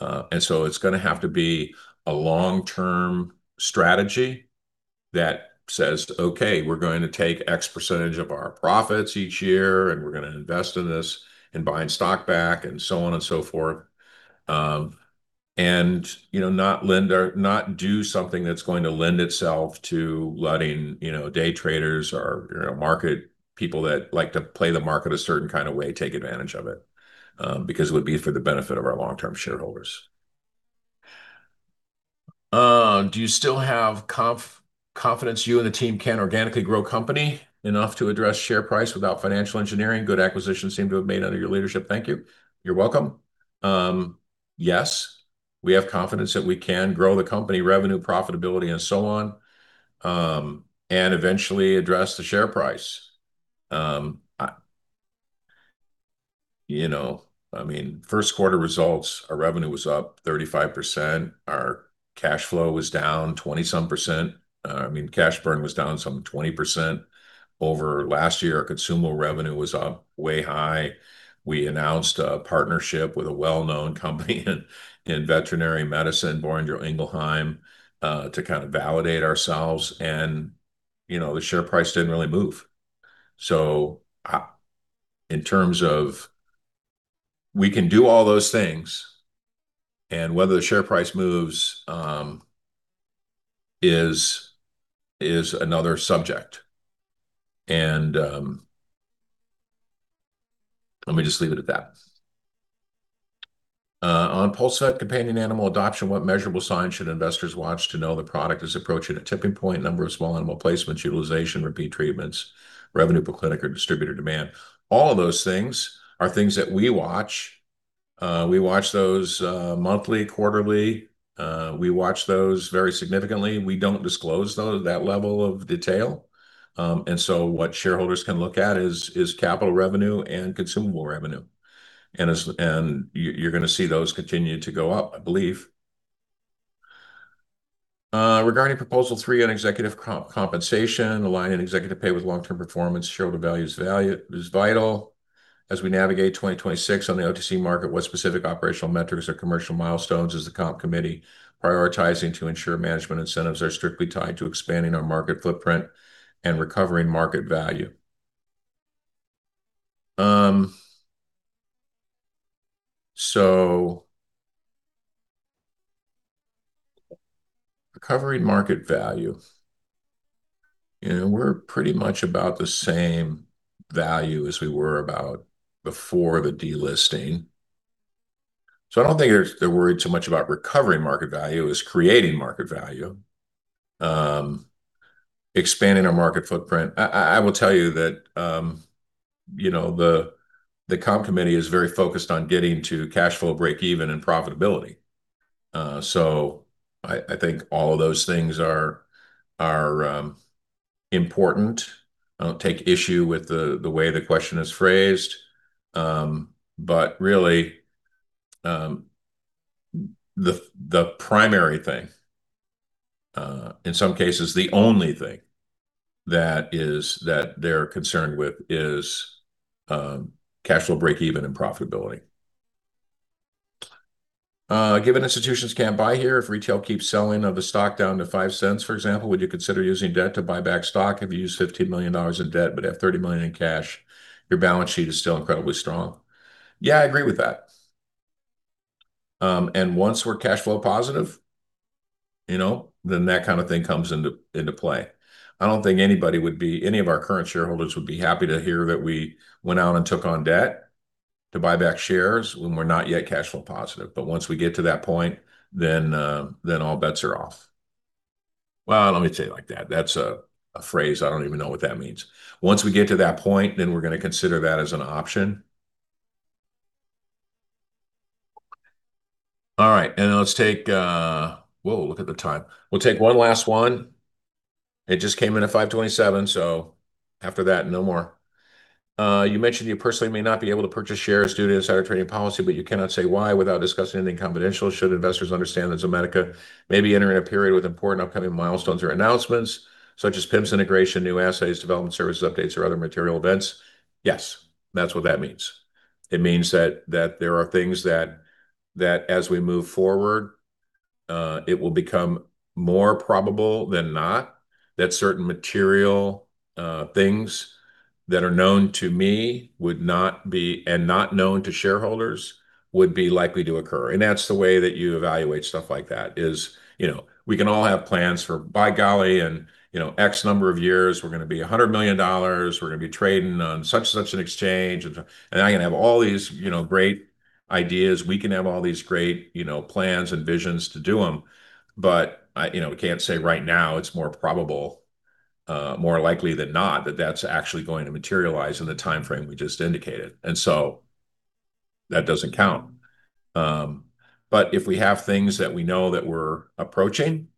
It's going to have to be a long-term strategy that says, "Okay, we're going to take X percentage of our profits each year, and we're going to invest in this, in buying stock back, and so on and so forth." Not do something that's going to lend itself to letting day traders or market people that like to play the market a certain kind of way take advantage of it, because it would be for the benefit of our long-term shareholders. "Do you still have confidence you and the team can organically grow company enough to address share price without financial engineering? Good acquisitions seem to have made under your leadership. Thank you." You're welcome. Yes, we have confidence that we can grow the company revenue, profitability, and so on, and eventually address the share price. First quarter results, our revenue was up 35%. Our cash flow was down 20-some%. Cash burn was down some 20%. Over last year, consumable revenue was up way high. We announced a partnership with a well-known company in veterinary medicine, Boehringer Ingelheim, to kind of validate ourselves, and the share price didn't really move. In terms of, we can do all those things, and whether the share price moves is another subject. Let me just leave it at that. "On PulseVet companion animal adoption, what measurable signs should investors watch to know the product is approaching a tipping point? Number of small animal placements, utilization, repeat treatments, revenue per clinic or distributor demand?" All of those things are things that we watch. We watch those monthly, quarterly. We watch those very significantly. We don't disclose, though, that level of detail. What shareholders can look at is capital revenue and consumable revenue. You're going to see those continue to go up, I believe. "Regarding proposal three on executive compensation, aligning executive pay with long-term performance, shareholder value is vital. As we navigate 2026 on the OTC market, what specific operational metrics or commercial milestones is the Comp Committee prioritizing to ensure management incentives are strictly tied to expanding our market footprint and recovering market value?" Recovering market value. We're pretty much about the same value as we were about before the delisting. I don't think they're worried so much about recovering market value as creating market value, expanding our market footprint. I will tell you that the Comp Committee is very focused on getting to cash flow breakeven and profitability. I think all of those things are important. I don't take issue with the way the question is phrased, but really, the primary thing, in some cases the only thing, that they're concerned with is cash flow breakeven and profitability. "Given institutions can't buy here, if retail keeps selling of the stock down to $0.05, for example, would you consider using debt to buy back stock? If you use $15 million in debt but have $30 million in cash, your balance sheet is still incredibly strong." Yeah, I agree with that. Once we're cash flow positive, then that kind of thing comes into play. I don't think any of our current shareholders would be happy to hear that we went out and took on debt to buy back shares when we're not yet cash flow positive. Once we get to that point, then all bets are off. Well, let me tell you like that. That's a phrase. I don't even know what that means. Once we get to that point, then we're going to consider that as an option. All right. Let's take, whoa, look at the time. We'll take one last one. It just came in at 5:27 P.M., so after that, no more. "You mentioned you personally may not be able to purchase shares due to insider trading policy, but you cannot say why without discussing anything confidential. Should investors understand that Zomedica may be entering a period with important upcoming milestones or announcements, such as PIMS integration, new assays, development services updates, or other material events?" Yes, that's what that means. It means that there are things that as we move forward, it will become more probable than not that certain material things that are known to me and not known to shareholders would be likely to occur. That's the way that you evaluate stuff like that is, we can all have plans for, by golly, in X number of years, we're going to be $100 million. We're going to be trading on such and such an exchange. I can have all these great ideas. We can have all these great plans and visions to do them. We can't say right now it's more probable, more likely than not, that that's actually going to materialize in the timeframe we just indicated. That doesn't count. If we have things that we know that we're approaching,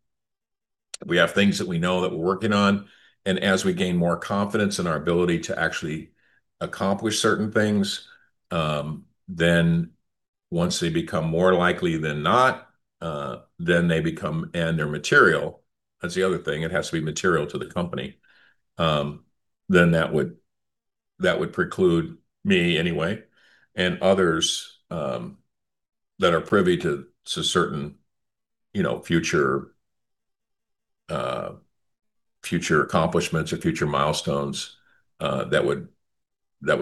we have things that we know that we're working on, and as we gain more confidence in our ability to actually accomplish certain things, then once they become more likely than not, and they're material, that's the other thing, it has to be material to the company, then that would preclude me anyway, and others that are privy to certain future accomplishments or future milestones that would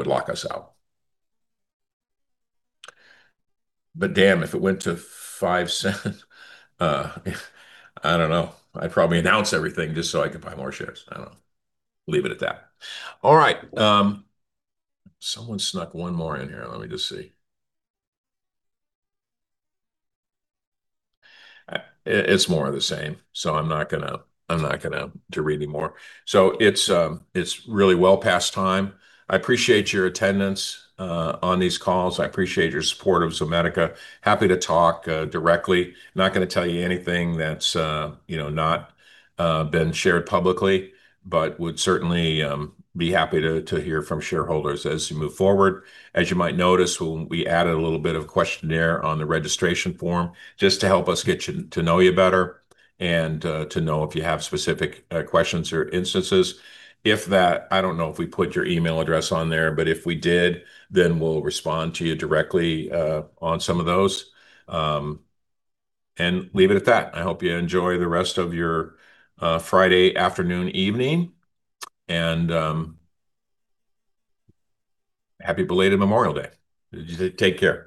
lock us out. Damn, if it went to $0.05, I don't know. I'd probably announce everything just so I could buy more shares. I don't know. Leave it at that. All right. Someone snuck one more in here. Let me just see. It's more of the same, so I'm not going to read any more. It's really well past time. I appreciate your attendance on these calls. I appreciate your support of Zomedica. Happy to talk directly. Not going to tell you anything that's not been shared publicly but would certainly be happy to hear from shareholders as we move forward. As you might notice, we added a little bit of questionnaire on the registration form just to help us get to know you better and to know if you have specific questions or instances. I don't know if we put your email address on there, but if we did, then we'll respond to you directly on some of those. Leave it at that. I hope you enjoy the rest of your Friday afternoon, evening, and happy belated Memorial Day. Take care.